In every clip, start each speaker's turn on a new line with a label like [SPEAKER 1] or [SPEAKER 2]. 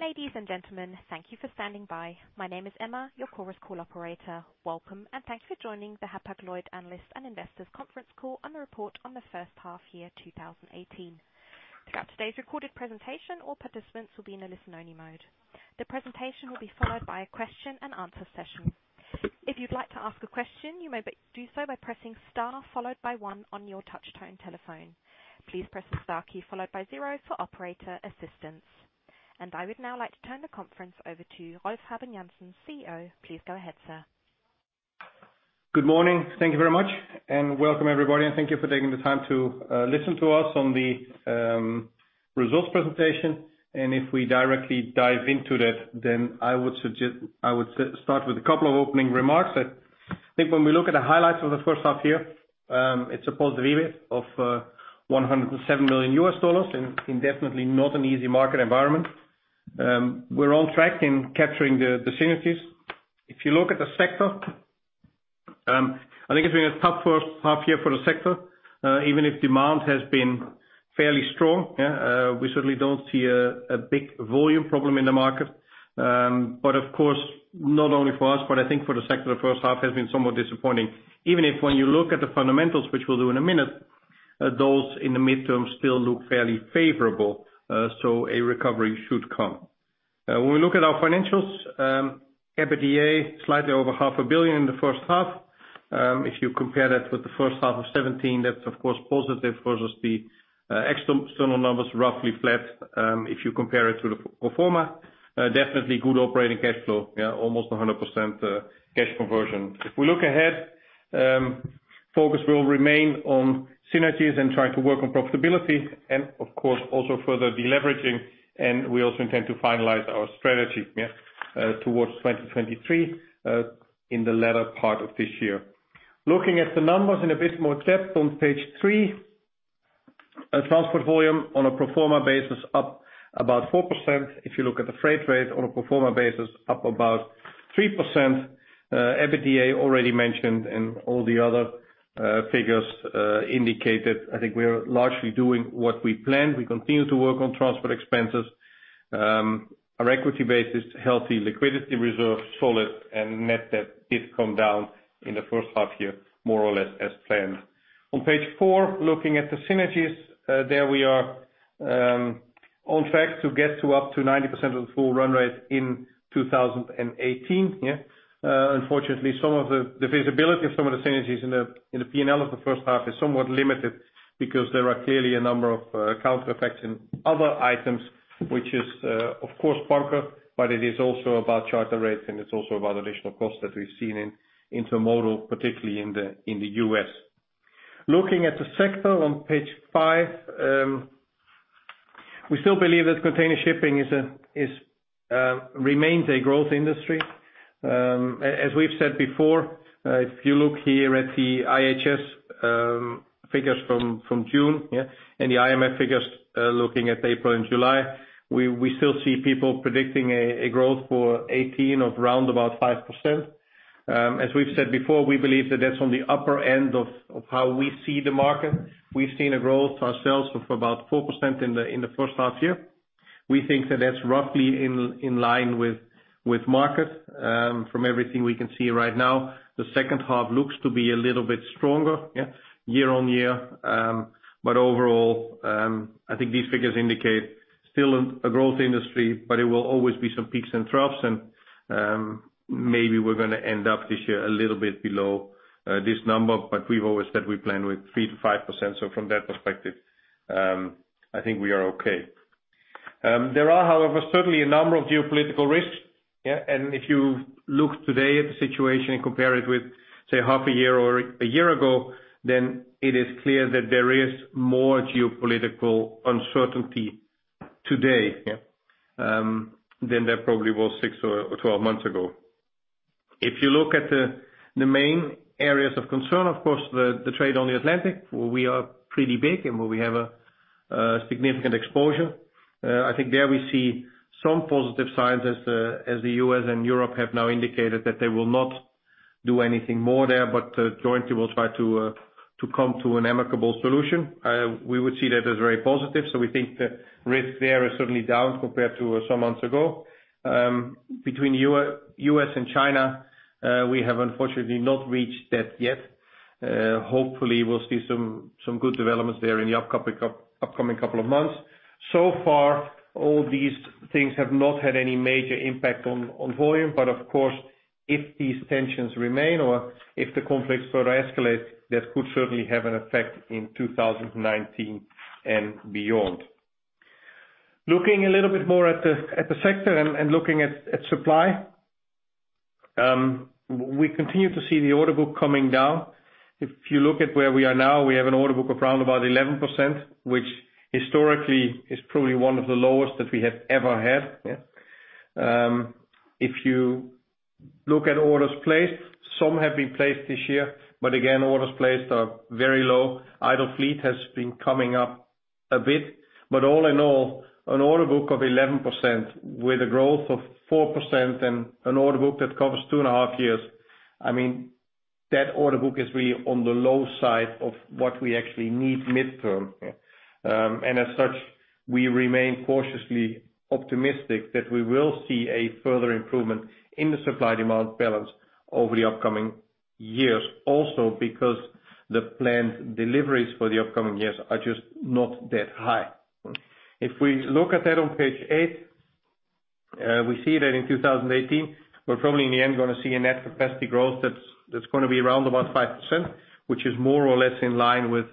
[SPEAKER 1] Ladies and gentlemen, thank you for standing by. My name is Emma, your Chorus Call operator. Welcome, and thanks for joining the Hapag-Lloyd Analysts and Investors Conference Call on the report on the first half year 2018. Throughout today's recorded presentation, all participants will be in a listen-only mode. The presentation will be followed by a Q&A session. If you'd like to ask a question, you may do so by pressing star followed by one on your touch-tone telephone. Please press the * key followed by zero for operator assistance. I would now like to turn the conference over to Rolf Habben Jansen, CEO. Please go ahead, sir.
[SPEAKER 2] Good morning. Thank you very much, and welcome everybody. Thank you for taking the time to listen to us on the results presentation. If we directly dive into that, I would start with a couple of opening remarks. I think when we look at the highlights of the first half year, it's a positive EBIT of $107 million in definitely not an easy market environment. We're on track in capturing the synergies. If you look at the sector, I think it's been a tough first half year for the sector, even if demand has been fairly strong. We certainly don't see a big volume problem in the market. Of course, not only for us, but I think for the sector, the first half has been somewhat disappointing, even if, when you look at the fundamentals, which we'll do in a minute, those in the medium term still look fairly favorable, so a recovery should come. When we look at our financials, EBITDA slightly over $ 0.5 billion in the first half. If you compare that with the first half of 2017, that's of course positive versus the external numbers, roughly flat, if you compare it to the pro forma. Definitely good operating cash flow. Yeah, almost 100% cash conversion. If we look ahead, focus will remain on synergies and try to work on profitability and of course, also further deleveraging, and we also intend to finalize our strategy towards 2023 in the latter part of this year. Looking at the numbers in a bit more depth on page 3, transport volume on a pro forma basis up about 4%. If you look at the freight rate on a pro forma basis, up about 3%. EBITDA already mentioned and all the other figures indicated. I think we are largely doing what we planned. We continue to work on transport expenses. Our equity base is healthy, liquidity reserve solid, and net debt did come down in the first half year, more or less as planned. On page 4, looking at the synergies, there we are on track to get to up to 90% of the full run rate in 2018. Unfortunately, some of the visibility of some of the synergies in the P&L of the first half is somewhat limited because there are clearly a number of counter effects in other items, which is of course bunker, but it is also about charter rates, and it's also about additional costs that we've seen in intermodal, particularly in the U.S. Looking at the sector on page 5, we still believe that container shipping remains a growth industry. As we've said before, if you look here at the IHS figures from June, yeah, and the IMF figures looking at April and July, we still see people predicting a growth for 2018 of around 5%. As we've said before, we believe that that's on the upper end of how we see the market. We've seen a growth ourselves of about 4% in the first half year. We think that that's roughly in line with market. From everything we can see right now, the second half looks to be a little bit stronger, yeah, year-on-year. Overall, I think these figures indicate still a growth industry, but it will always be some peaks and troughs and, maybe we're gonna end up this year a little bit below this number. We've always said we plan with 3%-5%. From that perspective, I think we are okay. There are, however, certainly a number of geopolitical risks. If you look today at the situation and compare it with, say, half a year or a year ago, then it is clear that there is more geopolitical uncertainty today than there probably was six or twelve months ago. If you look at the main areas of concern, of course, the trade on the Atlantic, where we are pretty big and where we have a significant exposure. I think there we see some positive signs as the U.S. and Europe have now indicated that they will not do anything more there, but jointly will try to come to an amicable solution. We would see that as very positive. We think the risk there is certainly down compared to some months ago. Between U.S. and China, we have unfortunately not reached that yet. Hopefully we'll see some good developments there in the upcoming couple of months. So far, all these things have not had any major impact on volume. Of course, if these tensions remain or if the conflicts further escalate, that could certainly have an effect in 2019 and beyond. Looking a little bit more at the sector and looking at supply, we continue to see the order book coming down. If you look at where we are now, we have an order book of around 11%, which historically is probably one of the lowest that we have ever had, yeah. If you look at orders placed, some have been placed this year, but again, orders placed are very low. Idle fleet has been coming up a bit. But all in all, an order book of 11% with a growth of 4% and an order book that covers 2.5 years, I mean, that order book is really on the low side of what we actually need midterm. As such, we remain cautiously optimistic that we will see a further improvement in the supply/demand balance over the upcoming years. Also, because the planned deliveries for the upcoming years are just not that high. If we look at that on page 8, we see that in 2018, we're probably, in the end, gonna see a net capacity growth that's gonna be around about 5%, which is more or less in line with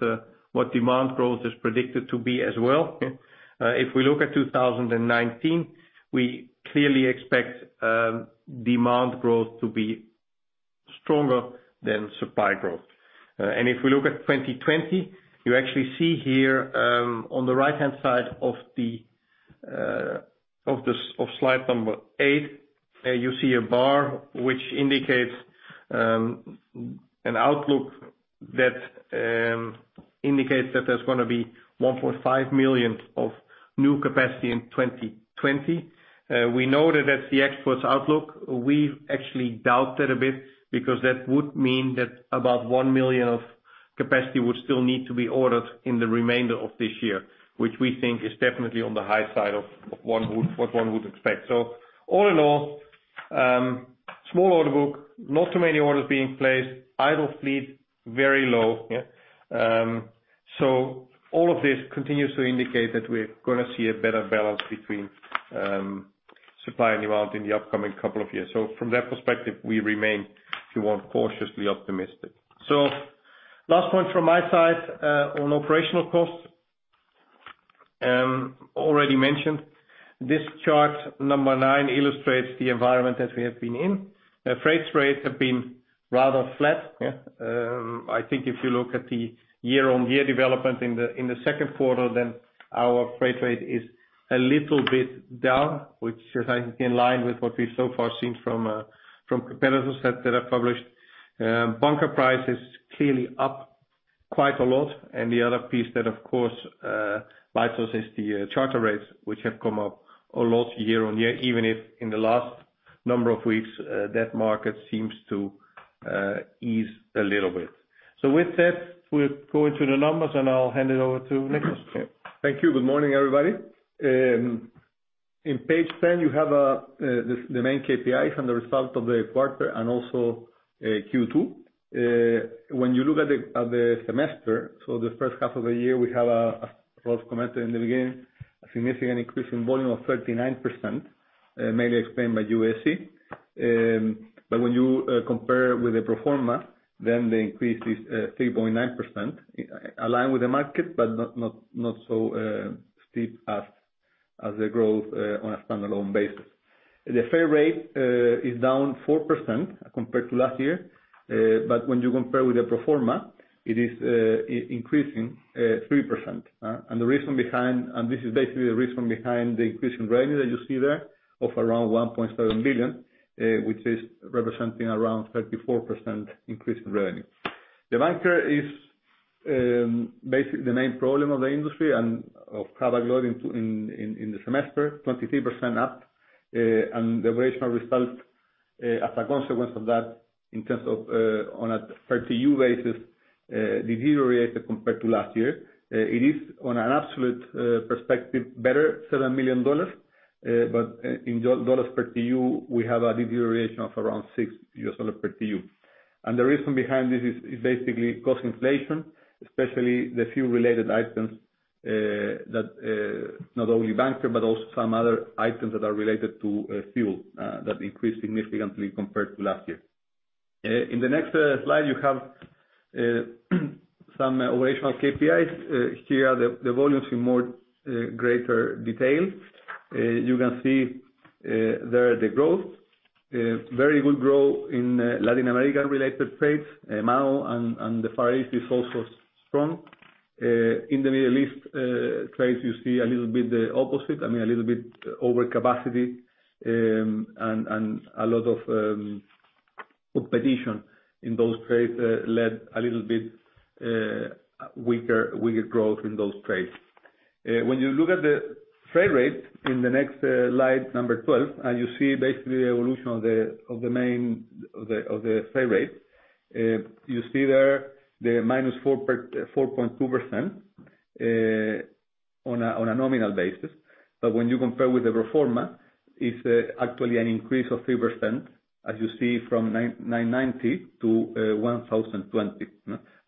[SPEAKER 2] what demand growth is predicted to be as well. If we look at 2019, we clearly expect demand growth to be stronger than supply growth. If we look at 2020, you actually see here on the right-hand side of the slide number 8, you see a bar which indicates an outlook that indicates that there's gonna be 1.5 million of new capacity in 2020. We know that that's the experts outlook. We actually doubt that a bit because that would mean that about 1 million of capacity would still need to be ordered in the remainder of this year, which we think is definitely on the high side of what one would expect. All in all, small order book, not too many orders being placed, idle fleet, very low, yeah. All of this continues to indicate that we're gonna see a better balance between supply and demand in the upcoming couple of years. From that perspective, we remain, if you want, cautiously optimistic. Last point from my side on operational costs. Already mentioned. This chart, number 9, illustrates the environment that we have been in. Freight rates have been rather flat. I think if you look at the year-on-year development in the Q2, then our freight rate is a little bit down, which is, I think, in line with what we've so far seen from competitors that have published. Bunker price is clearly up quite a lot. The other piece that, of course, bites us is the charter rates, which have come up a lot year-on-year, even if in the last number of weeks, that market seems to ease a little bit. With that, we'll go into the numbers, and I'll hand it over to Nicolás.
[SPEAKER 3] Thank you. Good morning, everybody. In page 10, you have the main KPIs and the result of the quarter and also Q2. When you look at the semester, so the first half of the year, we have, as Rolf commented in the beginning, a significant increase in volume of 39%, mainly explained by UASC. When you compare with the pro forma, then the increase is 3.9%, aligned with the market, but not so steep as the growth on a standalone basis. The freight rate is down 4% compared to last year. When you compare with the pro forma, it is increasing 3%, and the reason behind... This is basically the reason behind the increase in revenue that you see there of around $1.7 billion, which is representing around 34% increase in revenue. The bunker is basically the main problem of the industry and of Hapag-Lloyd in the semester, 23% up. The operational result, as a consequence of that, in terms of on a per-TEU basis, deteriorated compared to last year. It is on an absolute perspective, better $7 million. But in dollars per TEU, we have a deterioration of around $6 per TEU. The reason behind this is basically cost inflation, especially the fuel related items, that not only bunker, but also some other items that are related to fuel, that increased significantly compared to last year. In the next slide, you have some operational KPIs. Here are the volumes in greater detail. You can see there the growth. Very good growth in Latin America-related trades. Mexico and the Far East is also strong. In the Middle East trades, you see a little bit the opposite, I mean, a little bit overcapacity and a lot of competition in those trades led a little bit weaker growth in those trades. When you look at the freight rate in the next slide, number 12, and you see basically the evolution of the main freight rate, you see there the minus 4.2%, on a nominal basis. When you compare with the pro forma, it's actually an increase of 3%, as you see from 999 to 1,020.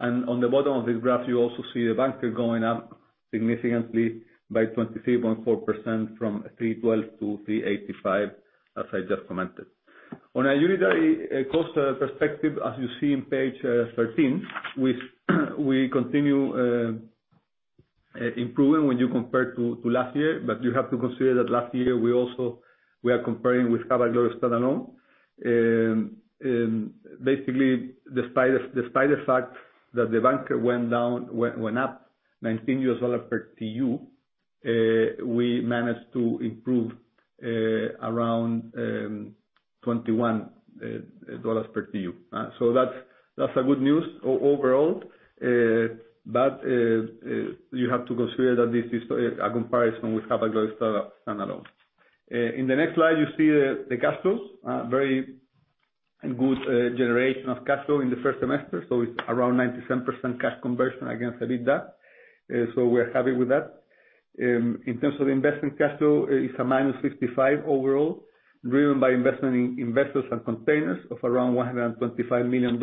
[SPEAKER 3] On the bottom of this graph, you also see the bunker going up significantly by 23.4% from 312-385, as I just commented. On a unitary cost perspective, as you see in page 13, we continue improving when you compare to last year, but you have to consider that last year we are comparing with Hapag-Lloyd standalone. Basically, despite the fact that the bunker went up $19 per TEU, we managed to improve around $21 per TEU. So that's a good news overall. You have to consider that this is a comparison with Hapag-Lloyd standalone. In the next slide you see the cash flows. Very good generation of cash flow in the first semester. It's around 97% cash conversion against EBITDA, so we're happy with that. In terms of investment cash flow, it's -$55 million overall, driven by investment in vessels and containers of around $125 million,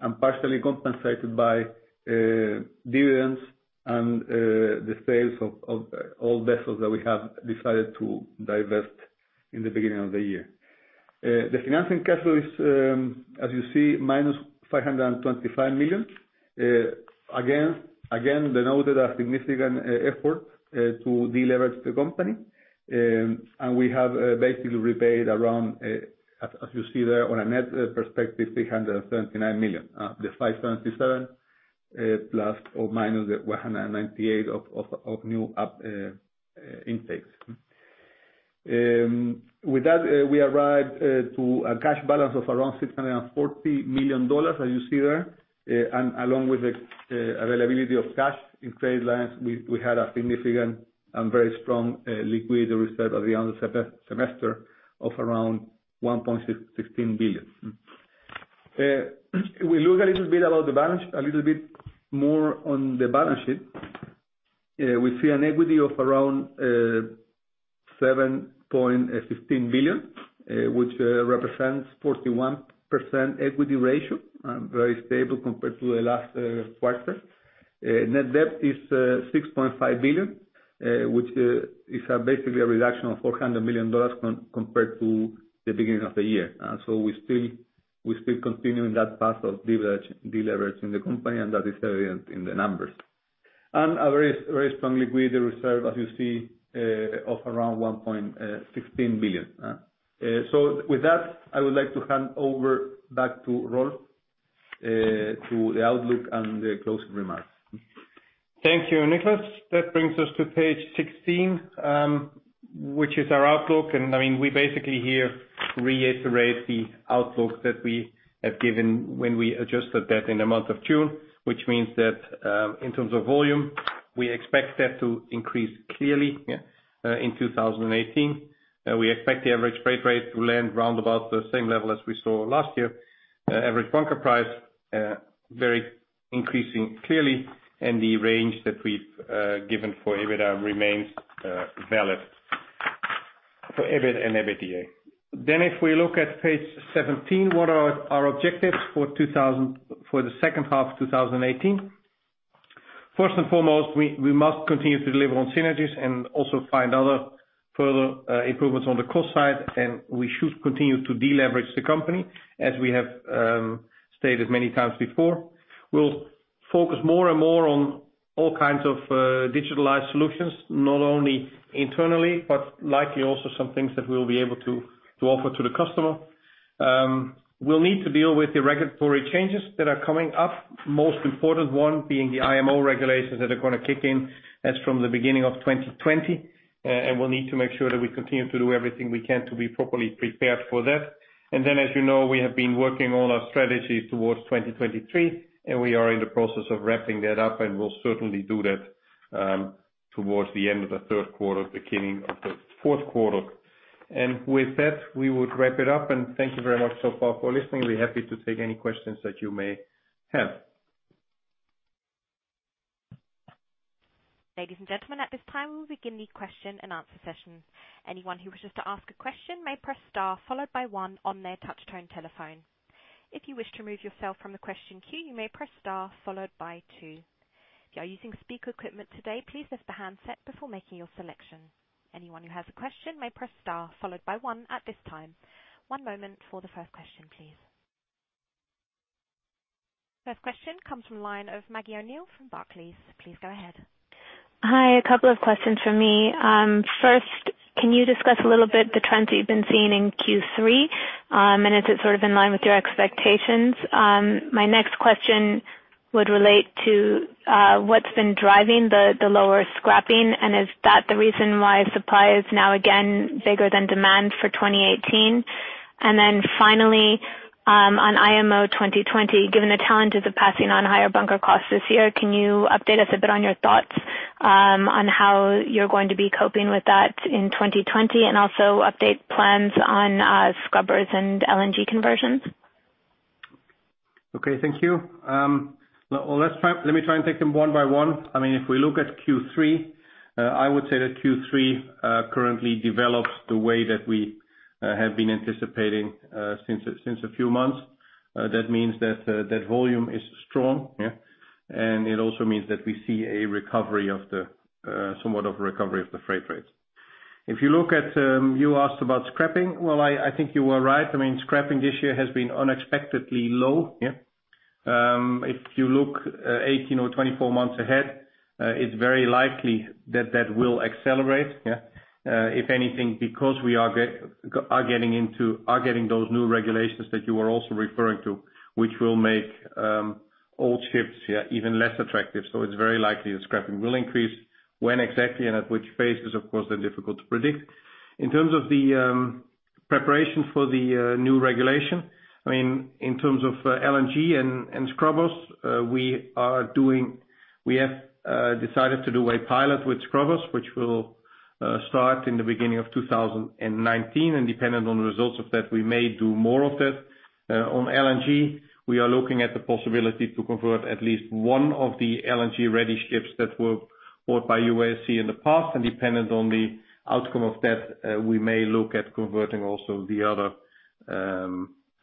[SPEAKER 3] and partially compensated by dividends and the sales of old vessels that we have decided to divest in the beginning of the year. The financing cash flow is, as you see, -$525 million. Again, it denotes a significant effort to deleverage the company. We have basically repaid around, as you see there on a net perspective, $379 million. The $577 million ± $198 million of new uptakes. With that, we arrived to a cash balance of around $640 million as you see there. Along with the availability of cash in credit lines, we had a significant and very strong liquidity reserve at the end of second semester of around $1.616 billion. Let's look a little bit at the balance, a little bit more on the balance sheet. We see an equity of around $7.15 billion, which represents 41% equity ratio, very stable compared to the last quarter. Net debt is $6.5 billion, which is basically a reduction of $400 million compared to the beginning of the year. We still continuing that path of leverage, deleveraging the company, and that is evident in the numbers. A very, very strong liquidity reserve, as you see, of around $1.16 billion. With that, I would like to hand over back to Rolf to the outlook and the closing remarks.
[SPEAKER 2] Thank you, Nicolás. That brings us to page 16, which is our outlook. I mean, we basically here reiterate the outlook that we have given when we adjusted that in the month of June, which means that, in terms of volume, we expect that to increase clearly, in 2018. We expect the average freight rate to land round about the same level as we saw last year. Average bunker price, very increasing clearly, and the range that we've given for EBITDA remains valid for EBIT and EBITDA. If we look at page 17, what are our objectives for the second half of 2018. First and foremost, we must continue to deliver on synergies and also find other further improvements on the cost side, and we should continue to deleverage the company, as we have stated many times before. We'll focus more and more on all kinds of digitalized solutions, not only internally, but likely also some things that we'll be able to offer to the customer. We'll need to deal with the regulatory changes that are coming up, most important one being the IMO regulations that are gonna kick in as from the beginning of 2020. We'll need to make sure that we continue to do everything we can to be properly prepared for that. As you know, we have been working on our strategy towards 2023, and we are in the process of wrapping that up, and we'll certainly do that towards the end of the Q3, beginning of the Q4. With that, we would wrap it up. Thank you very much so far for listening. We're happy to take any questions that you may have.
[SPEAKER 1] Ladies and gentlemen, at this time, we will begin the question and answer session. Anyone who wishes to ask a question may press star followed by one on their touch tone telephone. If you wish to remove yourself from the question queue, you may press star followed by two. If you are using speaker equipment today, please lift the handset before making your selection. Anyone who has a question may press star followed by one at this time. One moment for the first question, please. First question comes from the line of Alexia Dogani from J.P. Morgan. Please go ahead.
[SPEAKER 4] Hi. A couple of questions from me. First, can you discuss a little bit the trends that you've been seeing in Q3, and is it sort of in line with your expectations? My next question would relate to what's been driving the lower scrapping, and is that the reason why supply is now again bigger than demand for 2018? Finally, on IMO 2020, given the challenges of passing on higher bunker costs this year, can you update us a bit on your thoughts on how you're going to be coping with that in 2020, and also update plans on scrubbers and LNG conversions?
[SPEAKER 2] Okay. Thank you. Well, let me try and take them one by one. I mean, if we look at Q3, I would say that Q3 currently develops the way that we have been anticipating since a few months. That means that volume is strong, yeah? It also means that we see somewhat of a recovery of the freight rates. If you look at, you asked about scrapping. Well, I think you are right. I mean, scrapping this year has been unexpectedly low, yeah? If you look 18 or 24 months ahead, it's very likely that will accelerate, yeah? If anything, because we are getting those new regulations that you are also referring to, which will make old ships even less attractive. It's very likely that scrapping will increase. When exactly and at which phase is, of course, difficult to predict. In terms of the preparation for the new regulation, I mean, in terms of LNG and scrubbers, we have decided to do a pilot with scrubbers, which will start in the beginning of 2019. Dependent on the results of that, we may do more of that. On LNG, we are looking at the possibility to convert at least one of the LNG-ready ships that were bought by UASC in the past. Dependent on the outcome of that, we may look at converting also the other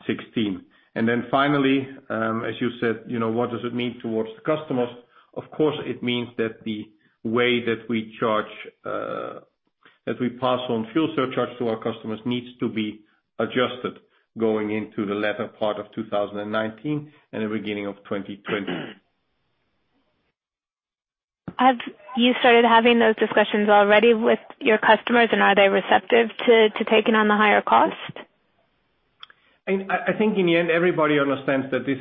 [SPEAKER 2] 16. Then finally, as you said, you know, what does it mean towards the customers? Of course, it means that the way that we charge, that we pass on fuel surcharge to our customers needs to be adjusted going into the latter part of 2019 and the beginning of 2020.
[SPEAKER 4] Have you started having those discussions already with your customers, and are they receptive to taking on the higher cost?
[SPEAKER 2] I think in the end, everybody understands that this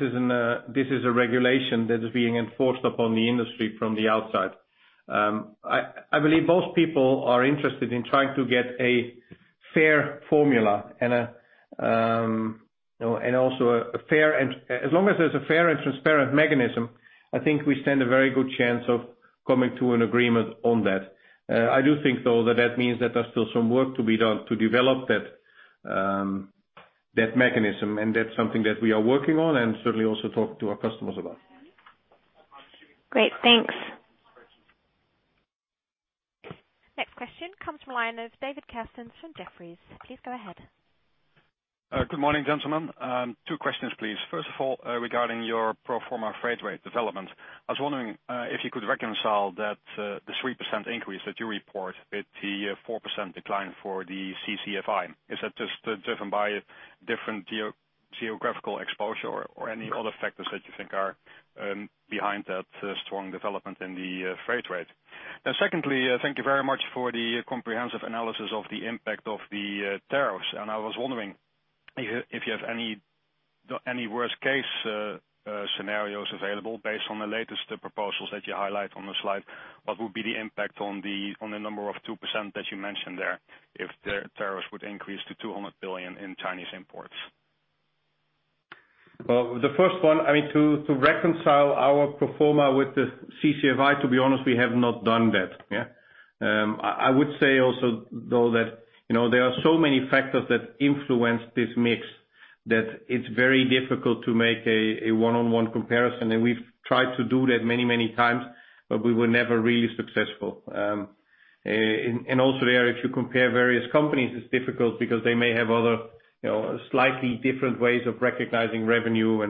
[SPEAKER 2] is a regulation that is being enforced upon the industry from the outside. I believe most people are interested in trying to get a fair formula and, you know, a fair and transparent mechanism. As long as there's a fair and transparent mechanism, I think we stand a very good chance of coming to an agreement on that. I do think, though, that means that there's still some work to be done to develop that mechanism, and that's something that we are working on and certainly also talk to our customers about.
[SPEAKER 4] Great. Thanks.
[SPEAKER 1] Next question comes from the line of David Kerstens from Jefferies. Please go ahead.
[SPEAKER 5] Good morning, gentlemen. Two questions, please. First of all, regarding your pro forma freight rate development. I was wondering if you could reconcile that, the 3% increase that you report with the 4% decline for the CCFI. Is that just driven by different geographical exposure or any other factors that you think are behind that strong development in the freight rate? Secondly, thank you very much for the comprehensive analysis of the impact of the tariffs. I was wondering if you have any worst case scenarios available based on the latest proposals that you highlight on the slide. What would be the impact on the number of 2% that you mentioned there if the tariffs would increase to $200 billion in Chinese imports?
[SPEAKER 2] Well, the first one, I mean, to reconcile our pro forma with the CCFI, to be honest, we have not done that. I would say also, though, that you know, there are so many factors that influence this mix that it's very difficult to make a one-on-one comparison. We've tried to do that many times, but we were never really successful. Also, if you compare various companies, it's difficult because they may have other, you know, slightly different ways of recognizing revenue.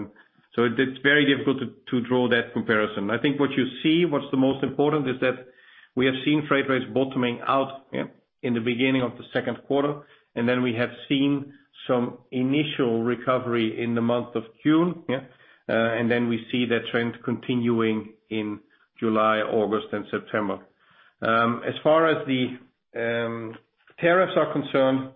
[SPEAKER 2] It's very difficult to draw that comparison. I think what you see, what's the most important is that we have seen freight rates bottoming out in the beginning of the Q2, and then we have seen some initial recovery in the month of June. We see that trend continuing in July, August, and September. As far as the tariffs are concerned,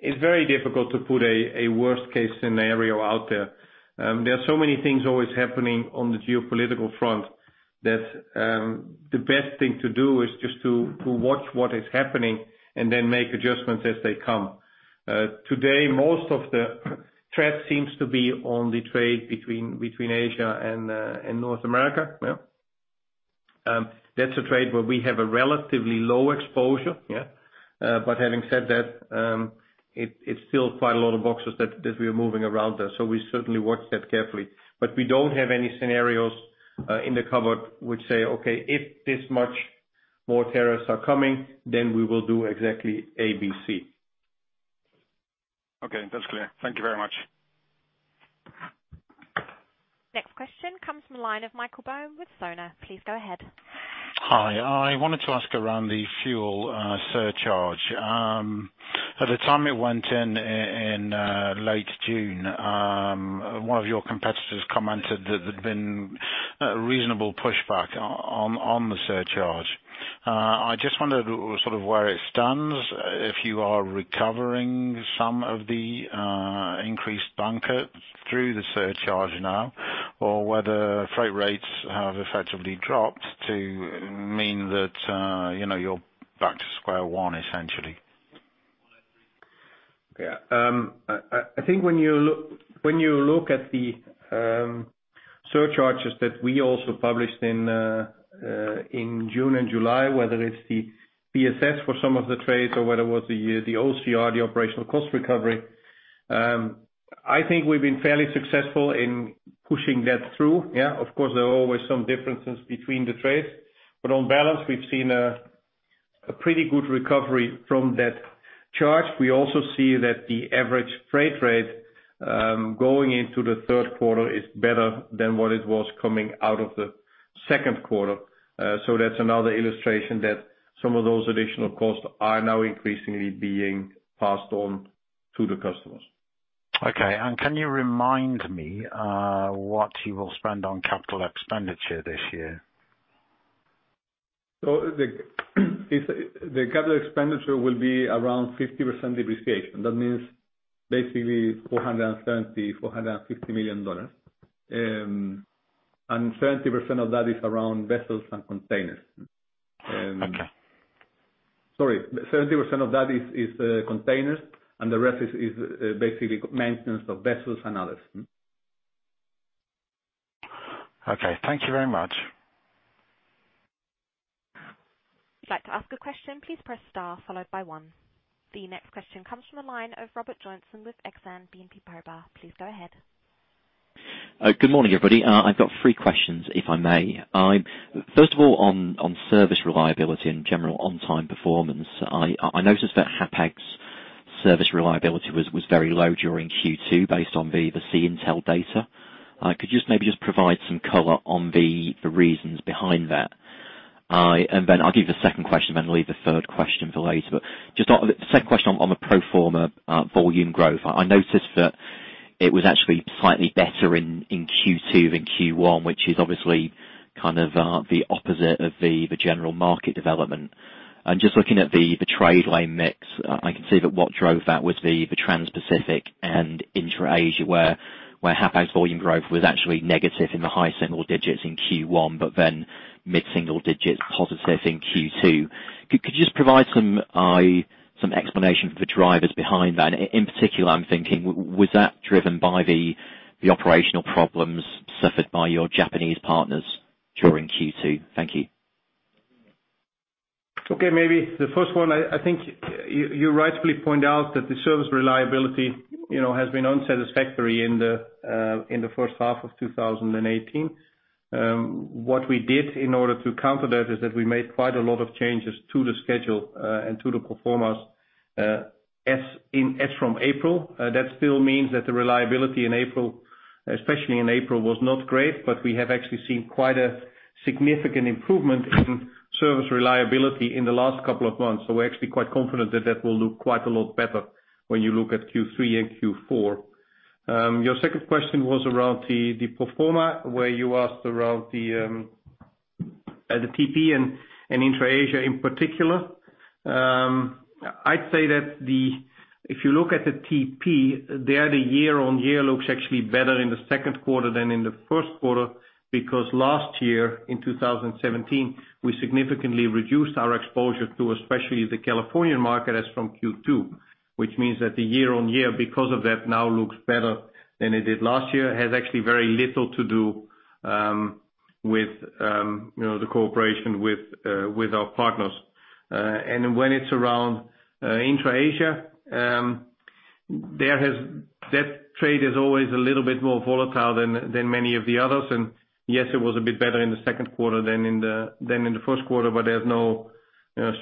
[SPEAKER 2] it's very difficult to put a worst-case scenario out there. There are so many things always happening on the geopolitical front that the best thing to do is just to watch what is happening and then make adjustments as they come. Today, most of the threat seems to be on the trade between Asia and North America. That's a trade where we have a relatively low exposure. But having said that, it's still quite a lot of boxes that we are moving around there. We certainly watch that carefully. We don't have any scenarios in the cupboard which say, "Okay, if this much more tariffs are coming, then we will do exactly A, B, C.
[SPEAKER 5] Okay, that's clear. Thank you very much.
[SPEAKER 1] Next question comes from the line of Michael Kohl with Nordea. Please go ahead.
[SPEAKER 6] Hi. I wanted to ask around the fuel surcharge. At the time it went in in late June, one of your competitors commented that there'd been a reasonable pushback on the surcharge. I just wondered sort of where it stands, if you are recovering some of the increased bunker through the surcharge now, or whether freight rates have effectively dropped to mean that, you know, you're back to square one, essentially.
[SPEAKER 2] Yeah. I think when you look at the surcharges that we also published in June and July, whether it's the PSS for some of the trades or whether it was the OCR, the operational cost recovery, I think we've been fairly successful in pushing that through. Yeah. Of course, there are always some differences between the trades, but on balance, we've seen a pretty good recovery from that charge. We also see that the average freight rate going into the Q3 is better than what it was coming out of the Q2. That's another illustration that some of those additional costs are now increasingly being passed on to the customers.
[SPEAKER 6] Okay. Can you remind me what you will spend on capital expenditure this year?
[SPEAKER 2] The capital expenditure will be around 50% depreciation. That means basically $450 million. 70% of that is around vessels and containers.
[SPEAKER 7] Okay.
[SPEAKER 2] Sorry, 30% of that is containers and the rest is basically maintenance of vessels and others.
[SPEAKER 7] Okay. Thank you very much.
[SPEAKER 1] The next question comes from the line of Robert Joynson with Exane BNP Paribas. Please go ahead.
[SPEAKER 7] Good morning, everybody. I've got three questions, if I may. First of all, on service reliability and general on time performance, I noticed that Hapag's service reliability was very low during Q2 based on the Sea-Intelligence data. Could you just maybe just provide some color on the reasons behind that? Then I'll give the second question, then leave the third question for later. Just the second question on the pro forma volume growth, I noticed that it was actually slightly better in Q2 than Q1, which is obviously kind of the opposite of the general market development. Just looking at the trade lane mix, I can see that what drove that was the Transpacific and Intra-Asia, where Hapag's volume growth was actually negative in the high single digits in Q1, but then mid-single digits positive in Q2. Could you just provide some explanation for the drivers behind that? In particular, I'm thinking, was that driven by the operational problems suffered by your Japanese partners during Q2? Thank you.
[SPEAKER 2] Okay. Maybe the first one, I think you rightfully point out that the service reliability, you know, has been unsatisfactory in the first half of 2018. What we did in order to counter that is that we made quite a lot of changes to the schedule and to the pro formas as from April. That still means that the reliability in April, especially in April, was not great. We have actually seen quite a significant improvement in service reliability in the last couple of months. We're actually quite confident that that will look quite a lot better when you look at Q3 and Q4. Your second question was around the pro forma, where you asked around the TP and Intra-Asia in particular. I'd say that the... If you look at the TP there, the year-on-year looks actually better in the Q2 than in the Q1, because last year, in 2017, we significantly reduced our exposure to especially the California market as from Q2. Which means that the year-on-year, because of that, now looks better than it did last year. It has actually very little to do with you know the cooperation with our partners. When it's around Intra-Asia, that trade is always a little bit more volatile than many of the others. Yes, it was a bit better in the Q2 than in the Q1. There's no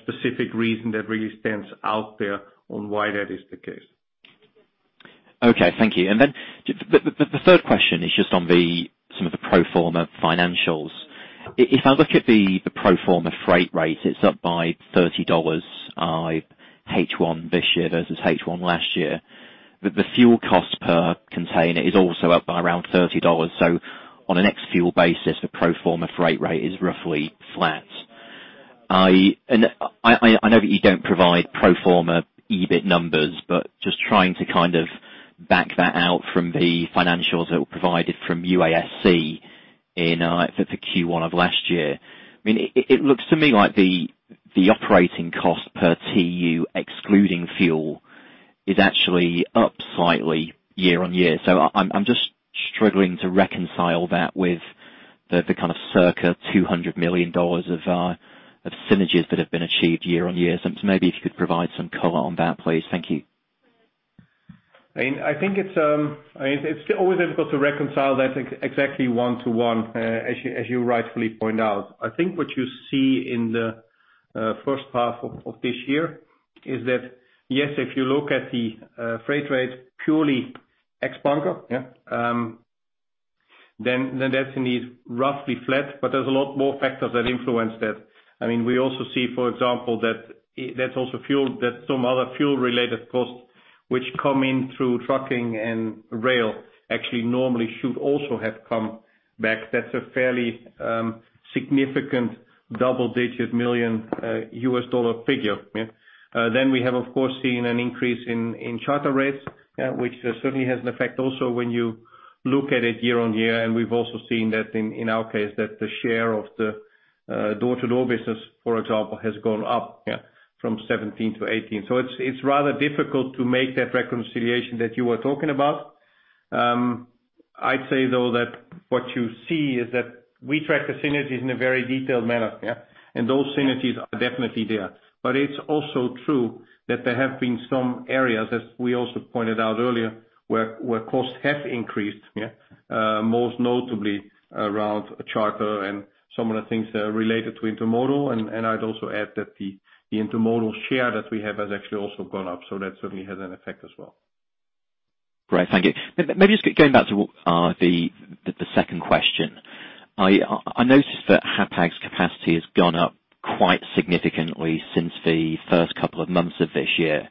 [SPEAKER 2] specific reason that really stands out there on why that is the case.
[SPEAKER 7] Okay. Thank you. The third question is just on some of the pro forma financials. If I look at the pro forma freight rate, it's up by $30 H1 this year versus H1 last year. The fuel cost per container is also up by around $30. On an ex-fuel basis, the pro forma freight rate is roughly flat. I know that you don't provide pro forma EBIT numbers, but just trying to kind of back that out from the financials that were provided from UASC in for the Q1 of last year. I mean, it looks to me like the operating cost per TEU, excluding fuel, is actually up slightly year-over-year. I'm just struggling to reconcile that with the kind of circa $200 million of synergies that have been achieved year on year. Maybe if you could provide some color on that, please. Thank you.
[SPEAKER 2] I mean, I think it's always difficult to reconcile that exactly 1-to-1, as you rightfully point out. I think what you see in the first half of this year is that, yes, if you look at the freight rate purely ex bunker, yeah, then that's indeed roughly flat. There's a lot more factors that influence that. I mean, we also see, for example, that there's also fuel, that some other fuel related costs which come in through trucking and rail actually normally should also have come back. That's a fairly significant $double-digit million figure. Yeah. Then we have, of course, seen an increase in charter rates, which certainly has an effect also when you look at it year-on-year. We've also seen that in our case, that the share of the door-to-door business, for example, has gone up, yeah, from 2017 to 2018. It's rather difficult to make that reconciliation that you were talking about. I'd say though that what you see is that we track the synergies in a very detailed manner, yeah. Those synergies are definitely there. It's also true that there have been some areas, as we also pointed out earlier, where costs have increased, yeah. Most notably around charter and some of the things that are related to intermodal. I'd also add that the intermodal share that we have has actually also gone up. So that certainly has an effect as well.
[SPEAKER 7] Great. Thank you. Maybe just getting back to the second question. I noticed that Hapag's capacity has gone up quite significantly since the first couple of months of this year.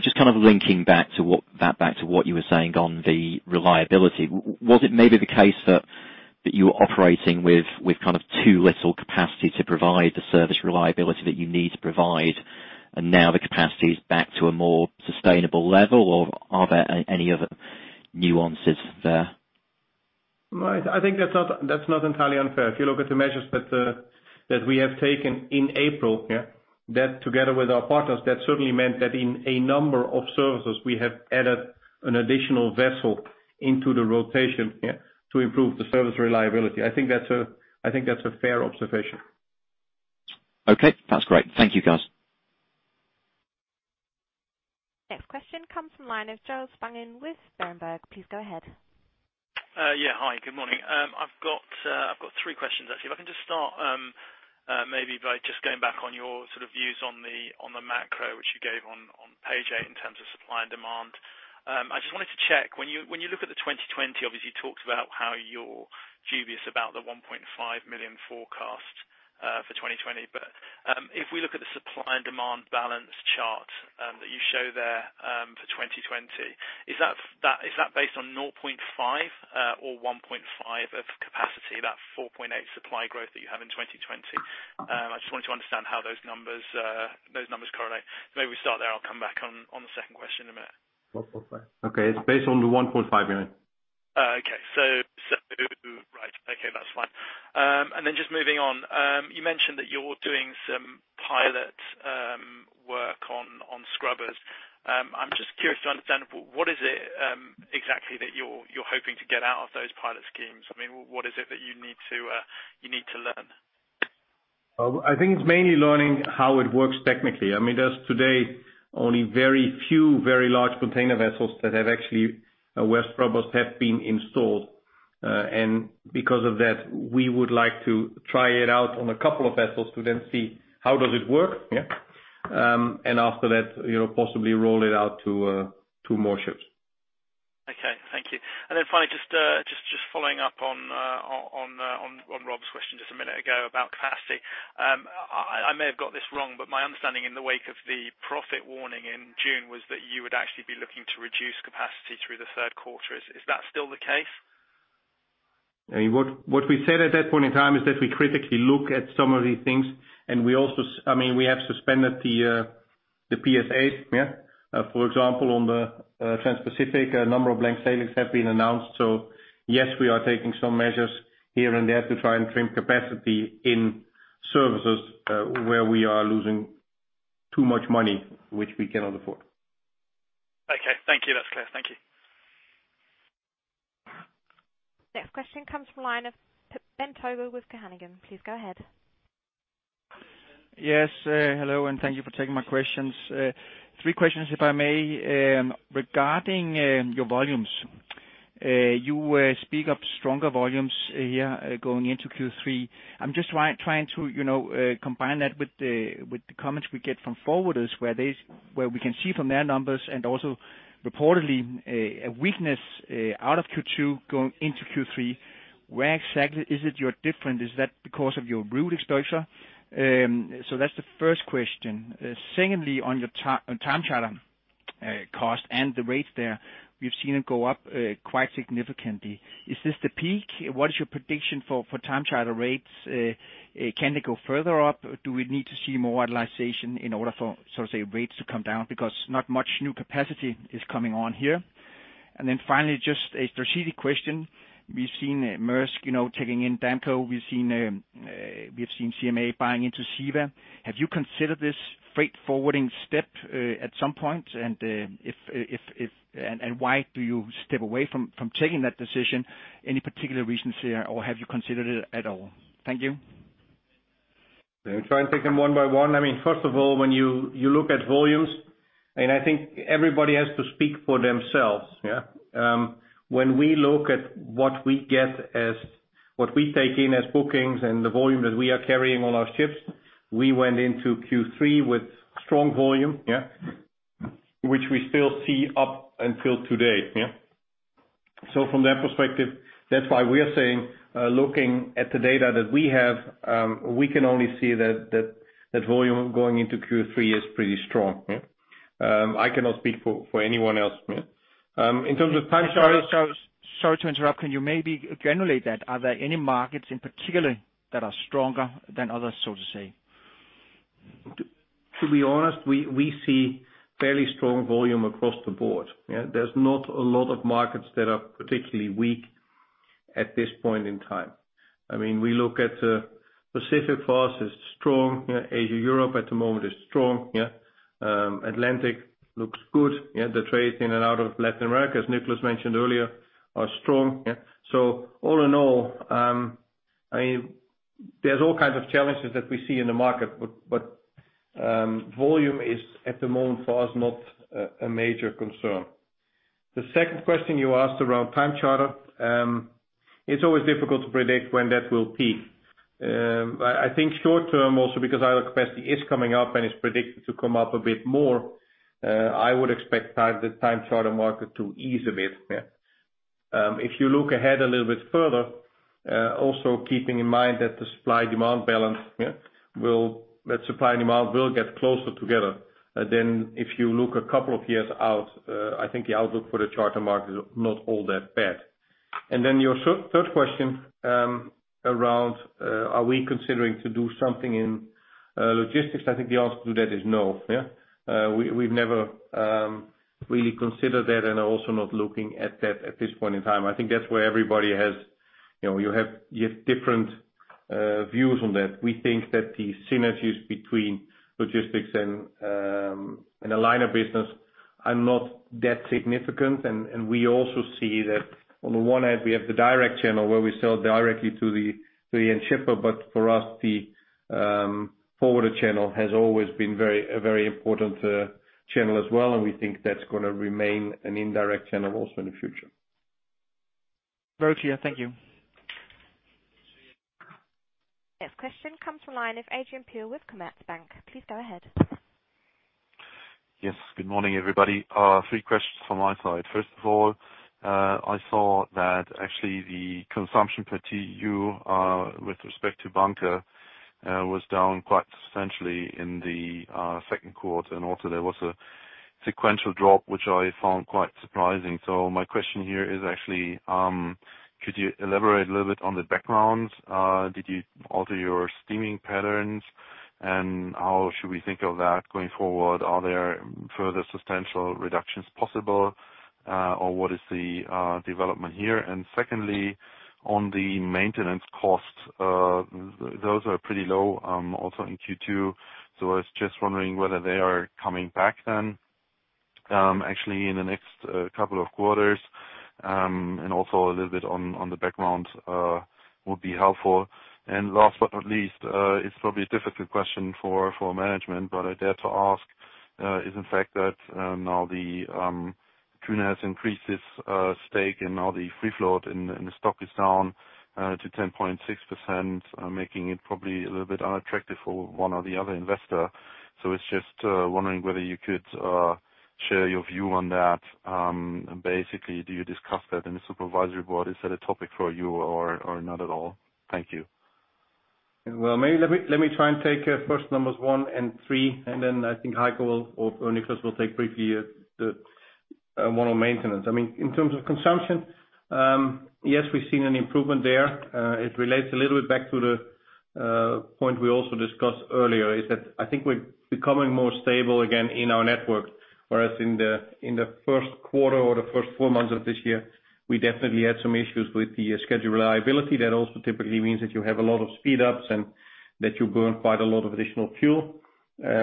[SPEAKER 7] Just kind of linking back to what you were saying on the reliability. Was it maybe the case that you were operating with kind of too little capacity to provide the service reliability that you need to provide, and now the capacity is back to a more sustainable level? Or are there any other nuances there?
[SPEAKER 2] Right. I think that's not entirely unfair. If you look at the measures that we have taken in April, yeah, that together with our partners certainly meant that in a number of services, we have added an additional vessel into the rotation, yeah, to improve the service reliability. I think that's a fair observation.
[SPEAKER 7] Okay. That's great. Thank you, guys.
[SPEAKER 1] Next question comes from line of Charles Sprenger with Berenberg. Please go ahead.
[SPEAKER 8] Yeah. Hi, good morning. I've got three questions actually. If I can just start, maybe by just going back on your sort of views on the macro, which you gave on page 8 in terms of supply and demand. I just wanted to check when you look at the 2020, obviously you talked about how you're dubious about the 1.5 million forecast for 2020. If we look at the supply and demand balance chart that you show there for 2020, is that based on 0.5 or 1.5 of capacity, that 4.8 supply growth that you have in 2020? I just wanted to understand how those numbers correlate. Maybe we start there, I'll come back on the second question in a minute.
[SPEAKER 2] 1.5.
[SPEAKER 8] Okay. It's based on the $1.5 million.
[SPEAKER 2] Okay. Right. Okay, that's fine.
[SPEAKER 8] Then just moving on, you mentioned that you're doing some pilot work on scrubbers. I'm just curious to understand what is it exactly that you're hoping to get out of those pilot schemes? I mean, what is it that you need to learn?
[SPEAKER 2] Well, I think it's mainly learning how it works technically. I mean, there's today only very few very large container vessels that have actually where scrubbers have been installed. Because of that, we would like to try it out on a couple of vessels to then see how does it work. After that, you know, possibly roll it out to two more ships.
[SPEAKER 8] Okay. Thank you. Finally, just following up on Rob's question just a minute ago about capacity. I may have got this wrong, but my understanding in the wake of the profit warning in June was that you would actually be looking to reduce capacity through the Q3. Is that still the case?
[SPEAKER 2] I mean, what we said at that point in time is that we critically look at some of these things, and we also, I mean, we have suspended the PSAs, yeah. For example, on the Transpacific, a number of blank sailings have been announced. Yes, we are taking some measures here and there to try and trim capacity in services, where we are losing too much money, which we cannot afford.
[SPEAKER 8] Okay. Thank you. That's clear. Thank you.
[SPEAKER 1] Next question comes from the line of Dan Togo Jensen with Carnegie. Please go ahead.
[SPEAKER 9] Yes. Hello, and thank you for taking my questions. Three questions, if I may. Regarding your volumes, you speak of stronger volumes here going into Q3. I'm just trying to, you know, combine that with the comments we get from forwarders where we can see from their numbers and also reportedly a weakness out of Q2 going into Q3. Where exactly is it you're different? Is that because of your route exposure? So that's the first question. Secondly, on your time charter cost and the rates there, we've seen it go up quite significantly. Is this the peak? What is your prediction for time charter rates? Can they go further up? Do we need to see more utilization in order for, so to say, rates to come down? Because not much new capacity is coming on here. Finally, just a strategic question. We've seen Maersk, you know, taking in Damco. We've seen CMA buying into CEVA. Have you considered this freight forwarding step at some point? Why do you step away from taking that decision? Any particular reasons here, or have you considered it at all? Thank you.
[SPEAKER 2] Let me try and take them one by one. I mean, first of all, when you look at volumes, and I think everybody has to speak for themselves. When we look at what we take in as bookings and the volume that we are carrying on our ships, we went into Q3 with strong volume, which we still see up until today. From that perspective, that's why we are saying, looking at the data that we have, we can only see that volume going into Q3 is pretty strong. I cannot speak for anyone else. In terms of time charter-
[SPEAKER 9] Sorry to interrupt. Can you maybe granularly that? Are there any markets in particular that are stronger than others, so to say?
[SPEAKER 2] To be honest, we see fairly strong volume across the board, yeah. There's not a lot of markets that are particularly weak at this point in time. I mean, we look at, Pacific first is strong. You know, Asia, Europe at the moment is strong, yeah. Atlantic looks good. Yeah, the trades in and out of Latin America, as Nicolás mentioned earlier, are strong, yeah. All in all, there's all kinds of challenges that we see in the market, but volume is, at the moment for us, not a major concern. The second question you asked around time charter, it's always difficult to predict when that will peak. I think short term also because idle capacity is coming up and is predicted to come up a bit more, I would expect the time charter market to ease a bit, yeah. If you look ahead a little bit further, also keeping in mind that the supply demand balance will get closer together. If you look a couple of years out, I think the outlook for the charter market is not all that bad. Your third question, around are we considering to do something in logistics, I think the answer to that is no. Yeah. We've never really considered that and are also not looking at that at this point in time. I think that's where everybody has, you know, you have different views on that. We think that the synergies between logistics and a line of business are not that significant. We also see that on the one hand, we have the direct channel where we sell directly to the end shipper. But for us, the forwarder channel has always been a very important channel as well. We think that's gonna remain an indirect channel also in the future.
[SPEAKER 9] Over to you. Thank you.
[SPEAKER 1] Next question comes from the line of Adrian Pehl with Commerzbank. Please go ahead.
[SPEAKER 10] Yes. Good morning, everybody. Three questions from my side. First of all, I saw that actually the consumption per TEU with respect to bunker was down quite substantially in the Q2. There was a sequential drop, which I found quite surprising. My question here is actually, could you elaborate a little bit on the background? Did you alter your steaming patterns, and how should we think of that going forward? Are there further substantial reductions possible, or what is the development here? Secondly, on the maintenance costs, those are pretty low also in Q2. I was just wondering whether they are coming back then actually in the next couple of quarters. A little bit on the background would be helpful. Last but not least, it's probably a difficult question for management, but I dare to ask, is, in fact, that now the CSAV has increased its stake and now the free float in the stock is down to 10.6%, making it probably a little bit unattractive for one or the other investor. It's just wondering whether you could share your view on that. Basically, do you discuss that in the supervisory board? Is that a topic for you or not at all? Thank you.
[SPEAKER 2] Well, maybe let me try and take first numbers one and three, and then I think Heiko or Nicolás will take briefly the one on maintenance. I mean, in terms of consumption, yes, we've seen an improvement there. It relates a little bit back to the point we also discussed earlier, is that I think we're becoming more stable again in our network. Whereas in the Q1 or the first four months of this year, we definitely had some issues with the schedule reliability. That also typically means that you have a lot of speed ups and that you burn quite a lot of additional fuel.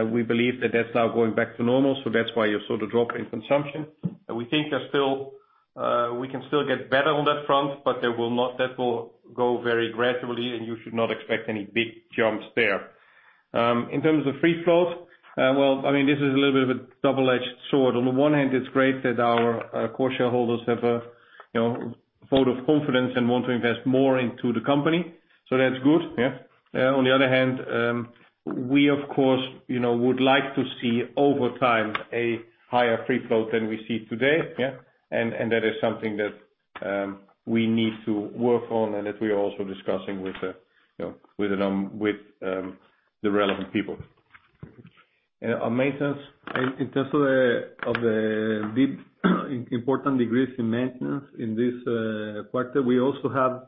[SPEAKER 2] We believe that that's now going back to normal, so that's why you saw the drop in consumption. We think there's still We can still get better on that front, but that will go very gradually, and you should not expect any big jumps there. In terms of free float, well, I mean, this is a little bit of a double-edged sword. On the one hand, it's great that our core shareholders have a, you know, vote of confidence and want to invest more into the company, so that's good. Yeah. On the other hand, we of course, you know, would like to see over time a higher free float than we see today. Yeah. And that is something that we need to work on and that we are also discussing with the, you know, with the relevant people.
[SPEAKER 3] On maintenance, in terms of the big important decrease in maintenance in this quarter, we also have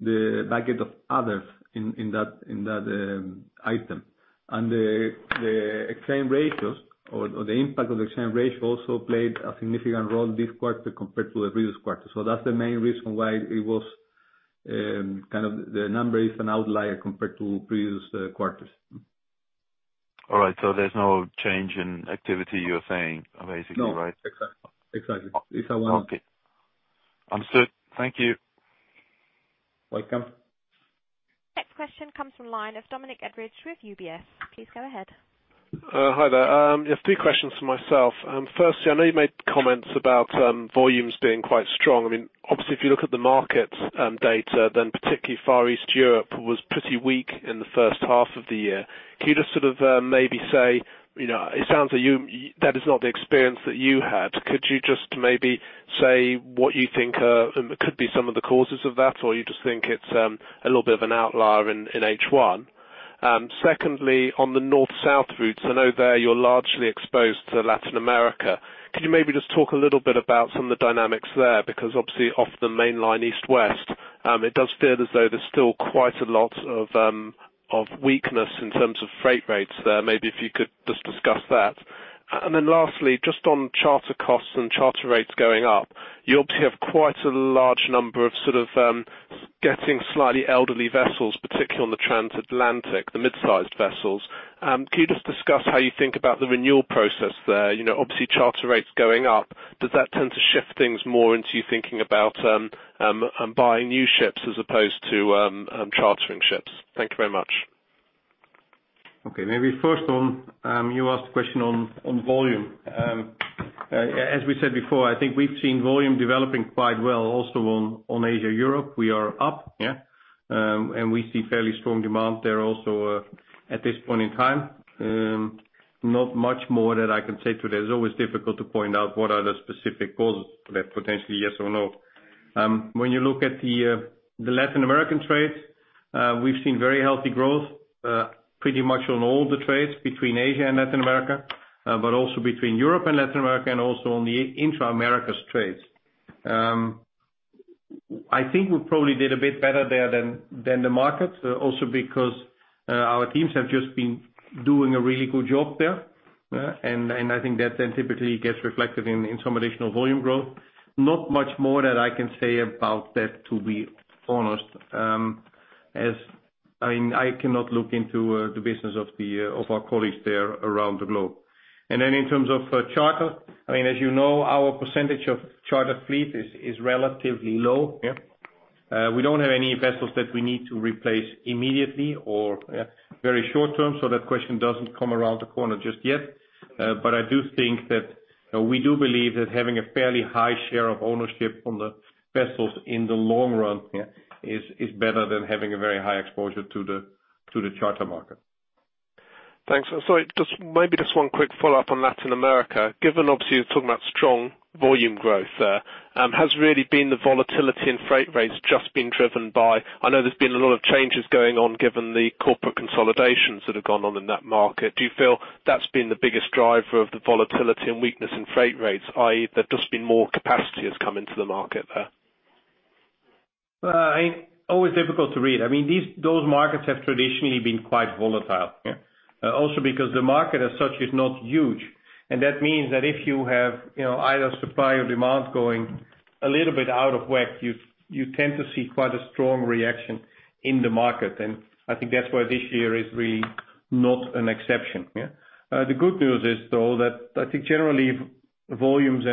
[SPEAKER 3] the bucket of others in that item. The exchange rates or the impact of exchange rates also played a significant role this quarter compared to the previous quarter. That's the main reason why it was kind of the number is an outlier compared to previous quarters.
[SPEAKER 10] All right. There's no change in activity you're saying basically, right?
[SPEAKER 3] No. Exactly. It's how I want it.
[SPEAKER 10] Okay. Understood. Thank you.
[SPEAKER 3] Welcome.
[SPEAKER 1] Next question comes from line of Dominic Edye with UBS. Please go ahead.
[SPEAKER 11] Hi there. Three questions from myself. Firstly, I know you made comments about volumes being quite strong. I mean, obviously if you look at the market data, then particularly Far East Europe was pretty weak in the first half of the year. Can you just sort of maybe say, you know, it sounds like that is not the experience that you had. Could you just maybe say what you think could be some of the causes of that? Or you just think it's a little bit of an outlier in H1. Secondly, on the North South routes, I know there you're largely exposed to Latin America. Can you maybe just talk a little bit about some of the dynamics there? Because obviously off the mainline East-West, it does feel as though there's still quite a lot of weakness in terms of freight rates there. Maybe if you could just discuss that. Lastly, just on charter costs and charter rates going up, you obviously have quite a large number of sort of getting slightly elderly vessels, particularly on the transatlantic, the mid-sized vessels. Can you just discuss how you think about the renewal process there? You know, obviously charter rates going up, does that tend to shift things more into you thinking about buying new ships as opposed to chartering ships? Thank you very much.
[SPEAKER 2] Okay. Maybe first on, you asked a question on volume. As we said before, I think we've seen volume developing quite well also on Asia-Europe. We are up, yeah. We see fairly strong demand there also at this point in time. Not much more that I can say to that. It's always difficult to point out what are the specific causes to that, potentially yes or no. When you look at the Latin American trades, we've seen very healthy growth pretty much on all the trades between Asia and Latin America, but also between Europe and Latin America and also on the intra-Americas trades. I think we probably did a bit better there than the market, also because our teams have just been doing a really good job there. I think that then typically gets reflected in some additional volume growth. Not much more that I can say about that, to be honest. I mean, I cannot look into the business of our colleagues there around the globe. In terms of charter, I mean, as you know, our percentage of charter fleet is relatively low, yeah. We don't have any vessels that we need to replace immediately or very short term, so that question doesn't come around the corner just yet. I do think that we do believe that having a fairly high share of ownership on the vessels in the long run, yeah, is better than having a very high exposure to the charter market.
[SPEAKER 11] Thanks. Just maybe just one quick follow-up on Latin America. Given obviously you're talking about strong volume growth there, has really been the volatility in freight rates just been driven by I know there's been a lot of changes going on given the corporate consolidations that have gone on in that market. Do you feel that's been the biggest driver of the volatility and weakness in freight rates, i.e., there's just been more capacity has come into the market there?
[SPEAKER 2] Well, I think it's always difficult to read. I mean, these, those markets have traditionally been quite volatile, yeah. Also because the market as such is not huge, and that means that if you have, you know, either supply or demand going a little bit out of whack, you tend to see quite a strong reaction in the market. I think that's why this year is really not an exception, yeah. The good news is, though, that I think generally volumes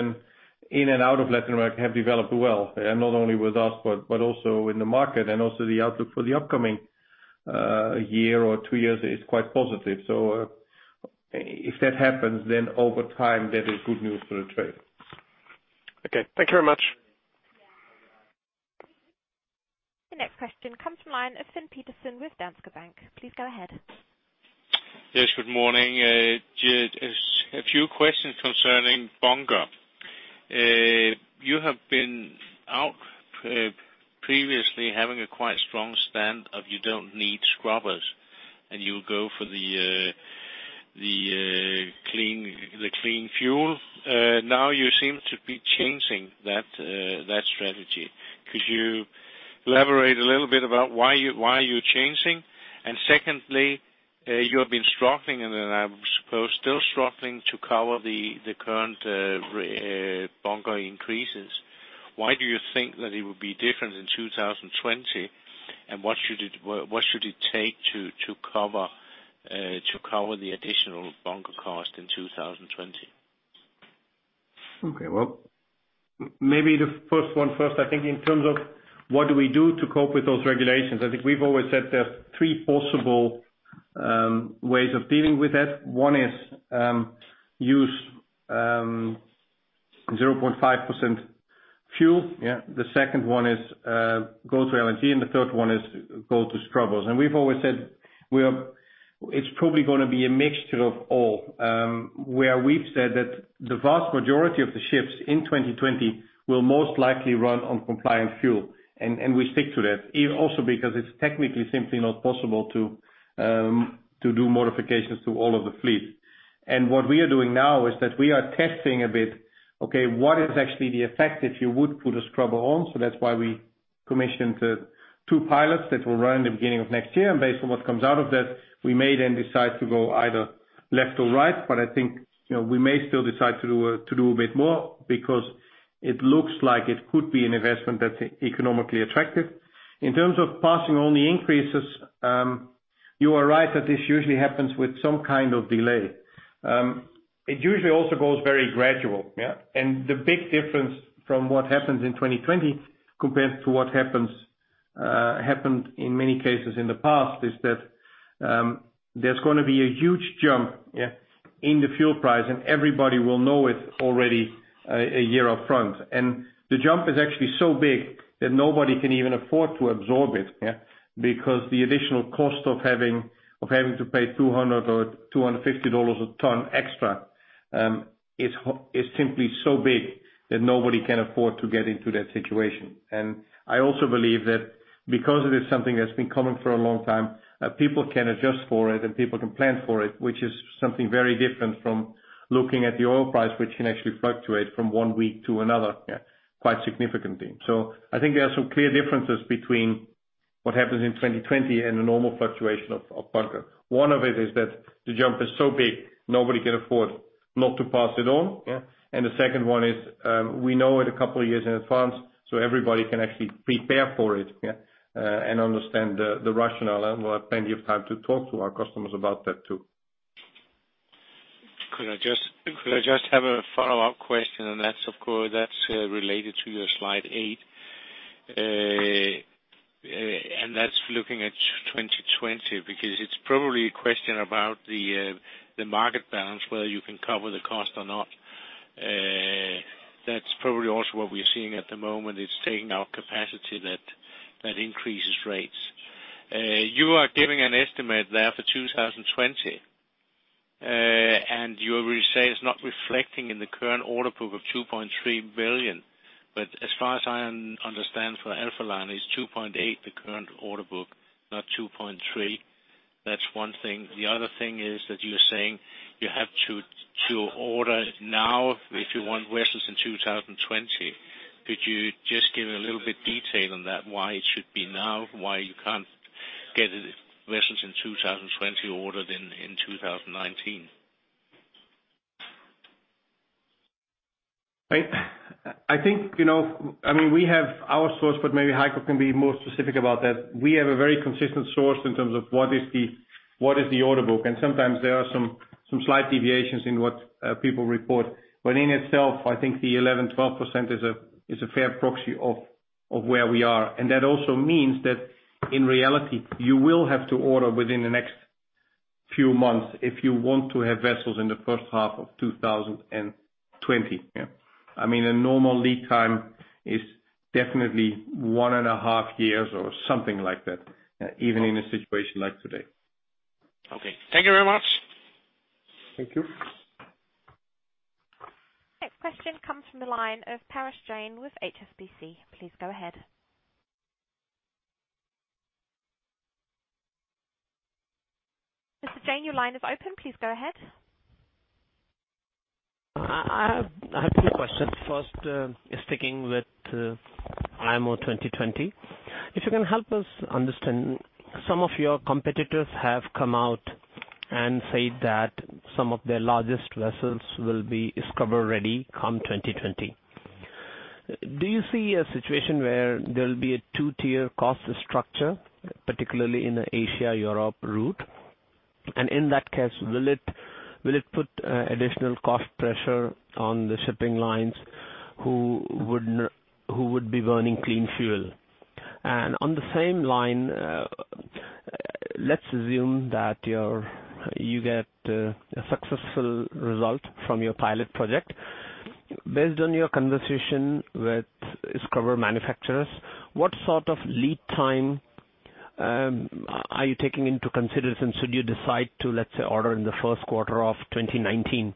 [SPEAKER 2] in and out of Latin America have developed well, yeah. Not only with us, but also in the market, and also the outlook for the upcoming year or two years is quite positive. If that happens, then over time, that is good news for the trade.
[SPEAKER 11] Okay. Thank you very much.
[SPEAKER 1] The next question comes from the line of Finn Petersen with Danske Bank. Please go ahead.
[SPEAKER 12] Yes, good morning. Just a few questions concerning bunker. You have been out, previously having a quite strong stand of you don't need scrubbers, and you go for the clean fuel. Now you seem to be changing that strategy. Could you elaborate a little bit about why you're changing? Secondly, you have been struggling and then I suppose still struggling to cover the current recent bunker increases. Why do you think that it would be different in 2020, and what should it take to cover the additional bunker cost in 2020?
[SPEAKER 2] Okay. Well, maybe the first one first. I think in terms of what do we do to cope with those regulations, I think we've always said there are three possible ways of dealing with that. One is use 0.5% fuel, yeah. The second one is go to LNG, and the third one is go to scrubbers. We've always said it's probably gonna be a mixture of all, where we've said that the vast majority of the ships in 2020 will most likely run on compliant fuel, and we stick to that. Also because it's technically simply not possible to do modifications to all of the fleet. What we are doing now is that we are testing a bit, okay, what is actually the effect if you would put a scrubber on? That's why we commissioned two pilots that will run in the beginning of next year. Based on what comes out of that, we may then decide to go either left or right. I think, you know, we may still decide to do a bit more because it looks like it could be an investment that's economically attractive. In terms of passing on the increases, you are right that this usually happens with some kind of delay. It usually also goes very gradual, yeah. The big difference from what happens in 2020 compared to what happened in many cases in the past is that there's gonna be a huge jump, yeah, in the fuel price, and everybody will know it already a year up front. The jump is actually so big that nobody can even afford to absorb it, yeah, because the additional cost of having to pay $200 or $250 a ton extra is simply so big that nobody can afford to get into that situation. I also believe that because it is something that's been coming for a long time, people can adjust for it and people can plan for it, which is something very different from looking at the oil price, which can actually fluctuate from one week to another, yeah, quite significantly. I think there are some clear differences between what happens in 2020 and the normal fluctuation of bunker. One of it is that the jump is so big, nobody can afford not to pass it on, yeah. The second one is we know it a couple of years in advance, so everybody can actually prepare for it, yeah, and understand the rationale. We'll have plenty of time to talk to our customers about that too.
[SPEAKER 12] Could I just have a follow-up question? That's, of course, related to your slide 8. That's looking at 2020, because it's probably a question about the market balance, whether you can cover the cost or not. That's probably also what we're seeing at the moment. It's taking our capacity that increases rates. You are giving an estimate there for 2020. You already say it's not reflecting in the current order book of 2.3 billion. But as far as I understand for the Alphaliner, it's 2.8, the current order book, not 2.3. That's one thing. The other thing is that you're saying you have to order now if you want vessels in 2020. Could you just give a little bit of detail on that, why it should be now, why you can't get vessels in 2020 ordered in 2019?
[SPEAKER 2] I think, you know, I mean, we have our source, but maybe Heiko can be more specific about that. We have a very consistent source in terms of what the order book is, and sometimes there are some slight deviations in what people report. In itself, I think the 11%-12% is a fair proxy of where we are. That also means that in reality, you will have to order within the next few months if you want to have vessels in the first half of 2020, yeah. I mean, a normal lead time is definitely one and a half years or something like that, even in a situation like today.
[SPEAKER 12] Okay. Thank you very much.
[SPEAKER 2] Thank you.
[SPEAKER 1] Next question comes from the line of Parash Jain with HSBC. Please go ahead. Mr. Jain, your line is open. Please go ahead.
[SPEAKER 13] I have two questions. First, on sticking with IMO 2020. If you can help us understand, some of your competitors have come out and said that some of their largest vessels will be scrubber-ready come 2020. Do you see a situation where there will be a two-tier cost structure, particularly in the Asia-Europe route? And in that case, will it put additional cost pressure on the shipping lines who would be burning clean fuel? And on the same line, let's assume that you get a successful result from your pilot project. Based on your conversation with scrubber manufacturers, what sort of lead time are you taking into consideration should you decide to, let's say, order in the Q1 of 2019?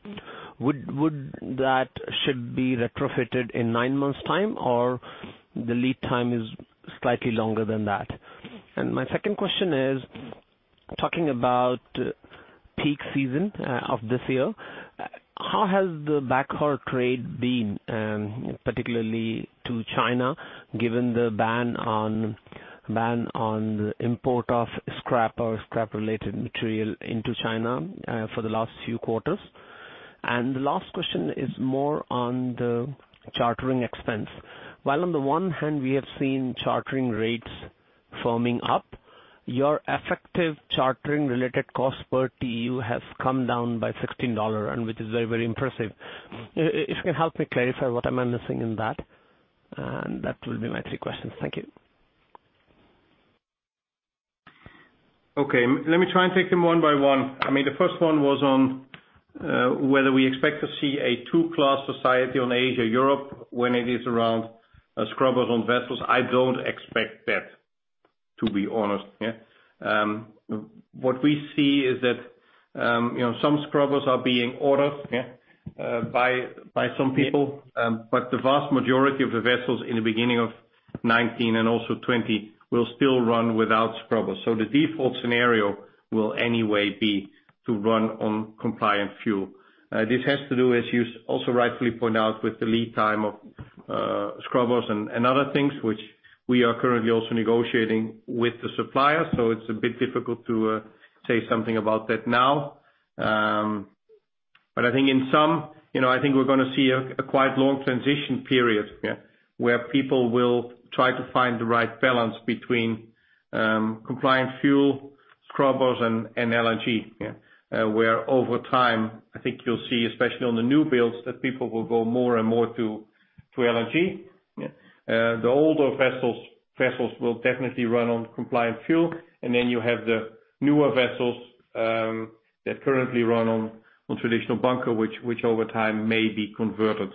[SPEAKER 13] Would that should be retrofitted in 9 months time, or the lead time is slightly longer than that? My second question is talking about peak season of this year, how has the backhaul trade been, particularly to China, given the ban on the import of scrap or scrap-related material into China, for the last few quarters? The last question is more on the chartering expense. While on the one hand we have seen chartering rates firming up, your effective chartering related cost per TEU has come down by $16, which is very, very impressive. If you can help me clarify what am I missing in that? That will be my three questions. Thank you.
[SPEAKER 2] Okay. Let me try and take them one by one. I mean, the first one was on whether we expect to see a two-class society on Asia-Europe when it is around scrubbers on vessels. I don't expect that, to be honest, yeah. What we see is that you know, some scrubbers are being ordered, yeah, by some people, but the vast majority of the vessels in the beginning of 2019 and also 2020 will still run without scrubbers. The default scenario will anyway be to run on compliant fuel. This has to do, as you also rightfully point out, with the lead time of scrubbers and other things, which we are currently also negotiating with the supplier, so it's a bit difficult to say something about that now. I think in sum, you know, I think we're gonna see a quite long transition period, where people will try to find the right balance between compliant fuel, scrubbers and LNG. Where over time, I think you'll see, especially on the new builds, that people will go more and more to LNG. The older vessels will definitely run on compliant fuel. You have the newer vessels that currently run on traditional bunker, which over time may be converted.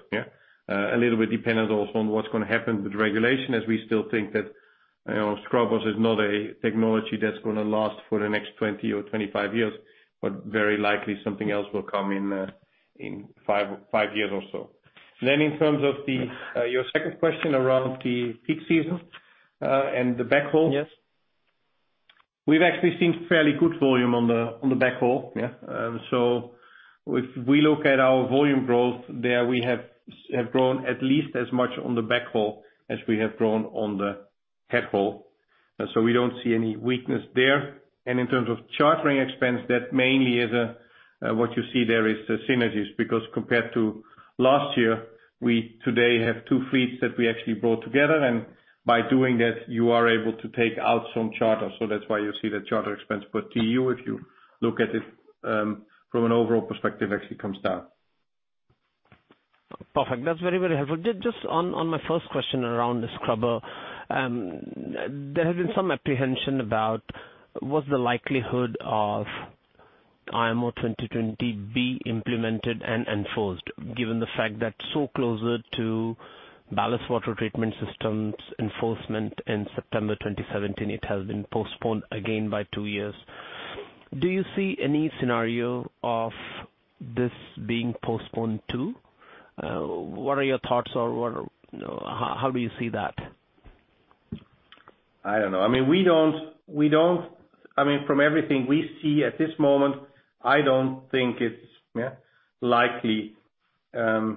[SPEAKER 2] A little bit dependent also on what's gonna happen with regulation, as we still think that, you know, scrubbers is not a technology that's gonna last for the next 20 or 25 years, but very likely something else will come in five years or so. In terms of your second question around the peak season, and the backhaul.
[SPEAKER 13] Yes.
[SPEAKER 2] We've actually seen fairly good volume on the backhaul, yeah. If we look at our volume growth there, we have grown at least as much on the backhaul as we have grown on the headhaul. We don't see any weakness there. In terms of chartering expense, that mainly is what you see there is the synergies, because compared to last year, we today have two fleets that we actually brought together. By doing that, you are able to take out some charters. That's why you see the charter expense per TEU if you look at it, from an overall perspective, actually comes down.
[SPEAKER 13] Perfect. That's very, very helpful. Just on my first question around the scrubber, there has been some apprehension about what's the likelihood of IMO 2020 being implemented and enforced, given the fact that so close to ballast water treatment systems enforcement in September 2017, it has been postponed again by 2 years. Do you see any scenario of this being postponed too? What are your thoughts or how do you see that?
[SPEAKER 2] I don't know. I mean, we don't. I mean, from everything we see at this moment, I don't think it's yeah likely that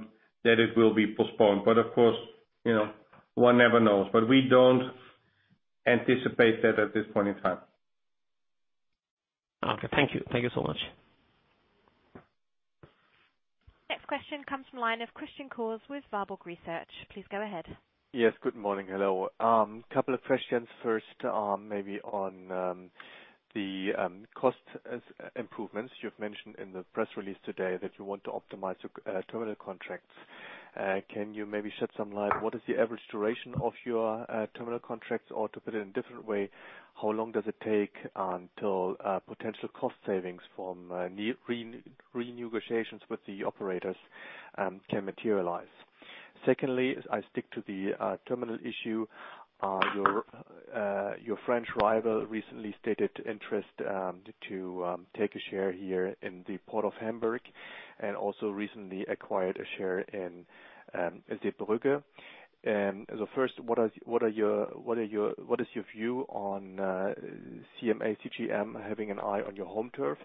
[SPEAKER 2] it will be postponed. Of course, you know, one never knows. We don't anticipate that at this point in time.
[SPEAKER 13] Okay. Thank you. Thank you so much.
[SPEAKER 1] Next question comes from the line of Christian Korth with Warburg Research. Please go ahead.
[SPEAKER 14] Yes, good morning. Hello. Couple of questions first, maybe on the cost improvements. You've mentioned in the press release today that you want to optimize your terminal contracts. Can you maybe shed some light? What is the average duration of your terminal contracts? Or to put it a different way, how long does it take until potential cost savings from renegotiations with the operators can materialize? Secondly, I stick to the terminal issue. Your French rival recently stated interest to take a share here in the Port of Hamburg, and also recently acquired a share in Zeebrugge. First, what is your view on CMA CGM having an eye on your home turf?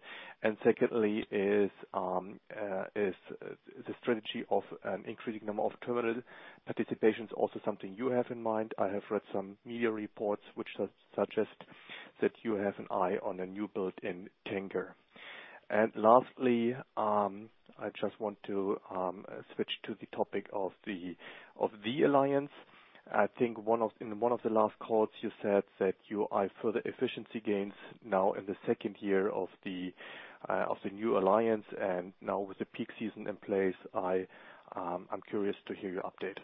[SPEAKER 14] Secondly, is the strategy of an increasing number of terminal participations also something you have in mind? I have read some media reports which suggest that you have an eye on a new build in Tangier. Lastly, I just want to switch to the topic of the alliance. I think in one of the last calls you said that you eye further efficiency gains now in the second year of the new alliance. Now with the peak season in place, I'm curious to hear your update.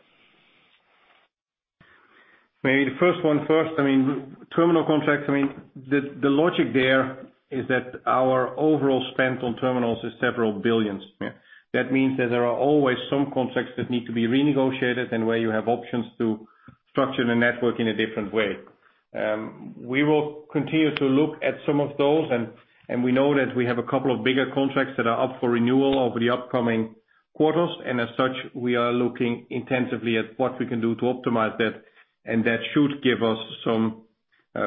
[SPEAKER 2] Maybe the first one first. I mean, terminal contracts, I mean, the logic there is that our overall spend on terminals is $several billion. Yeah. That means that there are always some contracts that need to be renegotiated and where you have options to structure the network in a different way. We will continue to look at some of those, and we know that we have a couple of bigger contracts that are up for renewal over the upcoming quarters. As such, we are looking intensively at what we can do to optimize that, and that should give us some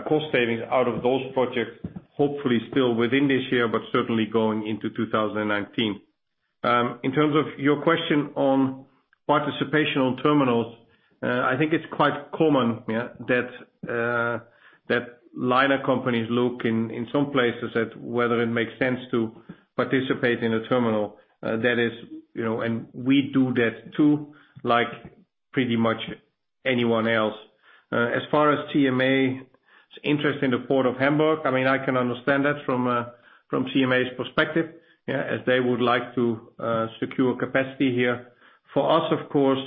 [SPEAKER 2] cost savings out of those projects. Hopefully still within this year, but certainly going into 2019. In terms of your question on participation on terminals, I think it's quite common, yeah, that liner companies look in some places at whether it makes sense to participate in a terminal. That is, you know, we do that too, like pretty much anyone else. As far as CMA's interest in the Port of Hamburg, I mean, I can understand that from CMA's perspective, yeah, as they would like to secure capacity here. For us, of course,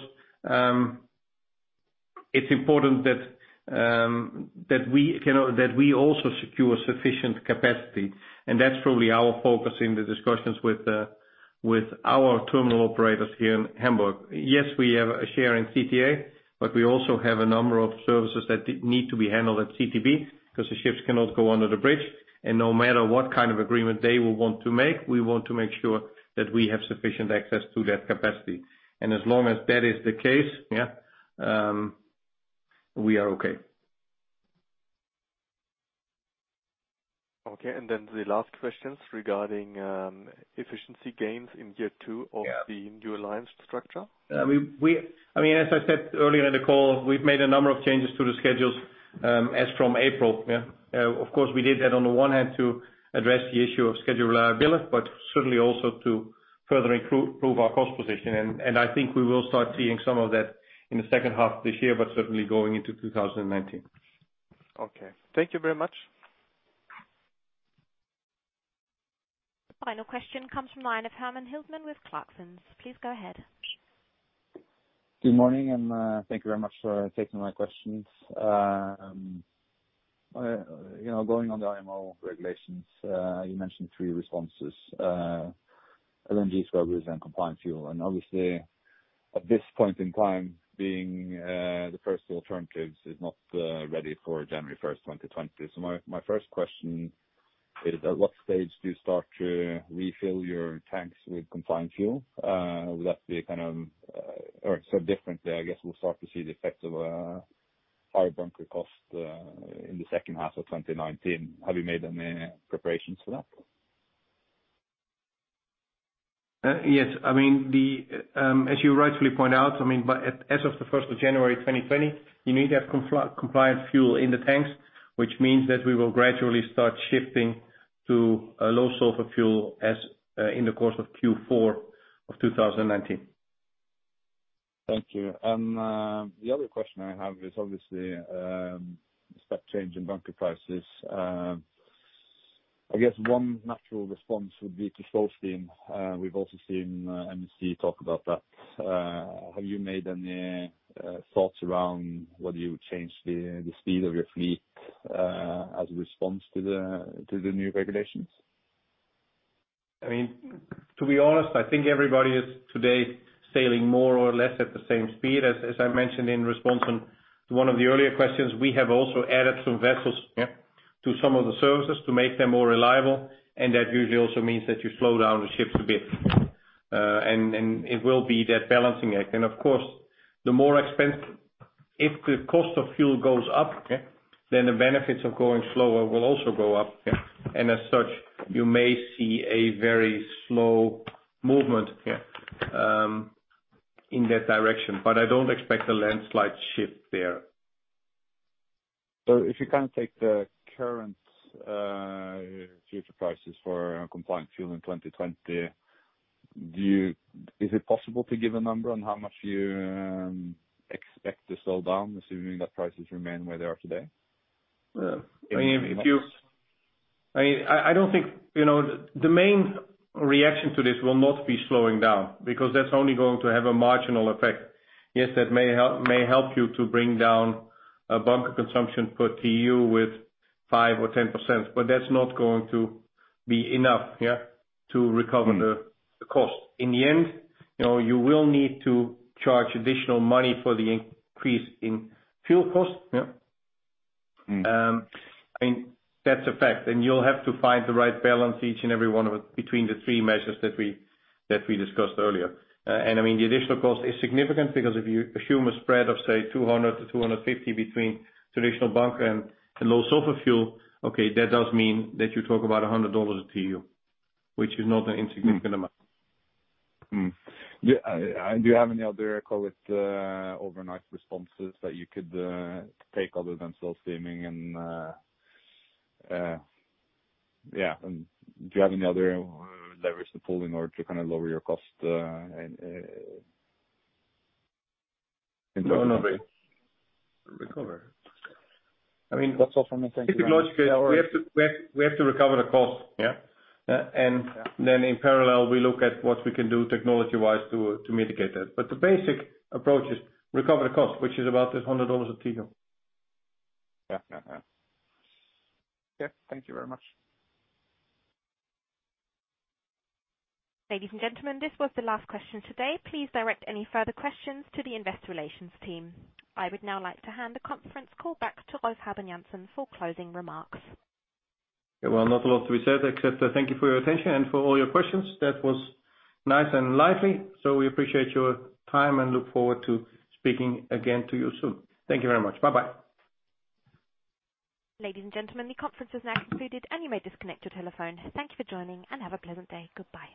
[SPEAKER 2] it's important that we also secure sufficient capacity, and that's really our focus in the discussions with our terminal operators here in Hamburg. Yes, we have a share in CTA, but we also have a number of services that need to be handled at CTB, 'cause the ships cannot go under the bridge. No matter what kind of agreement they will want to make, we want to make sure that we have sufficient access to that capacity. As long as that is the case, yeah, we are okay.
[SPEAKER 14] Okay. The last questions regarding efficiency gains in year two-
[SPEAKER 2] Yeah.
[SPEAKER 14] of the new alliance structure.
[SPEAKER 2] I mean, as I said earlier in the call, we've made a number of changes to the schedules, as from April. Of course, we did that on the one hand to address the issue of schedule reliability, but certainly also to further improve our cost position. I think we will start seeing some of that in the second half of this year, but certainly going into 2019.
[SPEAKER 14] Okay. Thank you very much.
[SPEAKER 1] Final question comes from the line of Herman Hildan with Clarksons. Please go ahead.
[SPEAKER 15] Good morning, thank you very much for taking my questions. You know, going on the IMO regulations, you mentioned three responses, LNG scrubbers and compliant fuel. Obviously at this point in time being the first two alternatives is not ready for January 1, 2020. So my first question is, at what stage do you start to refill your tanks with compliant fuel? Or said differently, I guess we'll start to see the effects of higher bunker cost in the second half of 2019. Have you made any preparations for that?
[SPEAKER 2] Yes. I mean, as you rightfully point out, I mean, by as of January 1, 2020, you need to have compliant fuel in the tanks, which means that we will gradually start shifting to a low sulfur fuel as in the course of Q4 of 2019.
[SPEAKER 15] Thank you. The other question I have is obviously the step change in bunker prices. I guess one natural response would be to slow steam. We've also seen MSC talk about that. Have you made any thoughts around whether you would change the speed of your fleet as a response to the new regulations?
[SPEAKER 2] I mean, to be honest, I think everybody is today sailing more or less at the same speed. As I mentioned in response to one of the earlier questions, we have also added some vessels, yeah, to some of the services to make them more reliable, and that usually also means that you slow down the ships a bit. It will be that balancing act. Of course, if the cost of fuel goes up, yeah, then the benefits of going slower will also go up, yeah. As such, you may see a very slow movement, yeah, in that direction. I don't expect a landslide shift there.
[SPEAKER 15] If you can take the current future prices for compliant fuel in 2020, is it possible to give a number on how much you expect to slow down assuming that prices remain where they are today?
[SPEAKER 2] Yeah. I mean, if you
[SPEAKER 15] In money.
[SPEAKER 2] I don't think, you know, the main reaction to this will not be slowing down because that's only going to have a marginal effect. Yes, that may help, may help you to bring down a bunker consumption per TEU with 5% or 10%, but that's not going to be enough, yeah, to recover.
[SPEAKER 15] Mm.
[SPEAKER 2] The cost. In the end, you know, you will need to charge additional money for the increase in fuel costs, yeah.
[SPEAKER 15] Mm.
[SPEAKER 2] I mean, that's a fact. You'll have to find the right balance between the three measures that we discussed earlier. I mean, the additional cost is significant because if you assume a spread of, say, 200-250 between traditional bunker and low sulfur fuel, okay, that does mean that you talk about $100 a TEU, which is not an insignificant amount.
[SPEAKER 15] Do you have any other cost overnight responses that you could take other than slow steaming? Do you have any other levers to pull in order to kinda lower your cost in total?
[SPEAKER 2] No, no. We recover. I mean.
[SPEAKER 15] That's all from me. Thank you very much. Yeah, all right.
[SPEAKER 2] It's logical. We have to recover the cost. Yeah?
[SPEAKER 15] Yeah.
[SPEAKER 2] in parallel, we look at what we can do technology-wise to mitigate that. The basic approach is recover the cost, which is about $100 a TEU.
[SPEAKER 15] Yeah. Thank you very much.
[SPEAKER 1] Ladies and gentlemen, this was the last question today. Please direct any further questions to the Investor Relations team. I would now like to hand the conference call back to Rolf Habben Jansen for closing remarks.
[SPEAKER 2] Yeah. Well, not a lot to be said except, thank you for your attention and for all your questions. That was nice and lively, so we appreciate your time and look forward to speaking again to you soon. Thank you very much. Bye-bye.
[SPEAKER 1] Ladies and gentlemen, the conference is now concluded and you may disconnect your telephone. Thank you for joining, and have a pleasant day. Goodbye.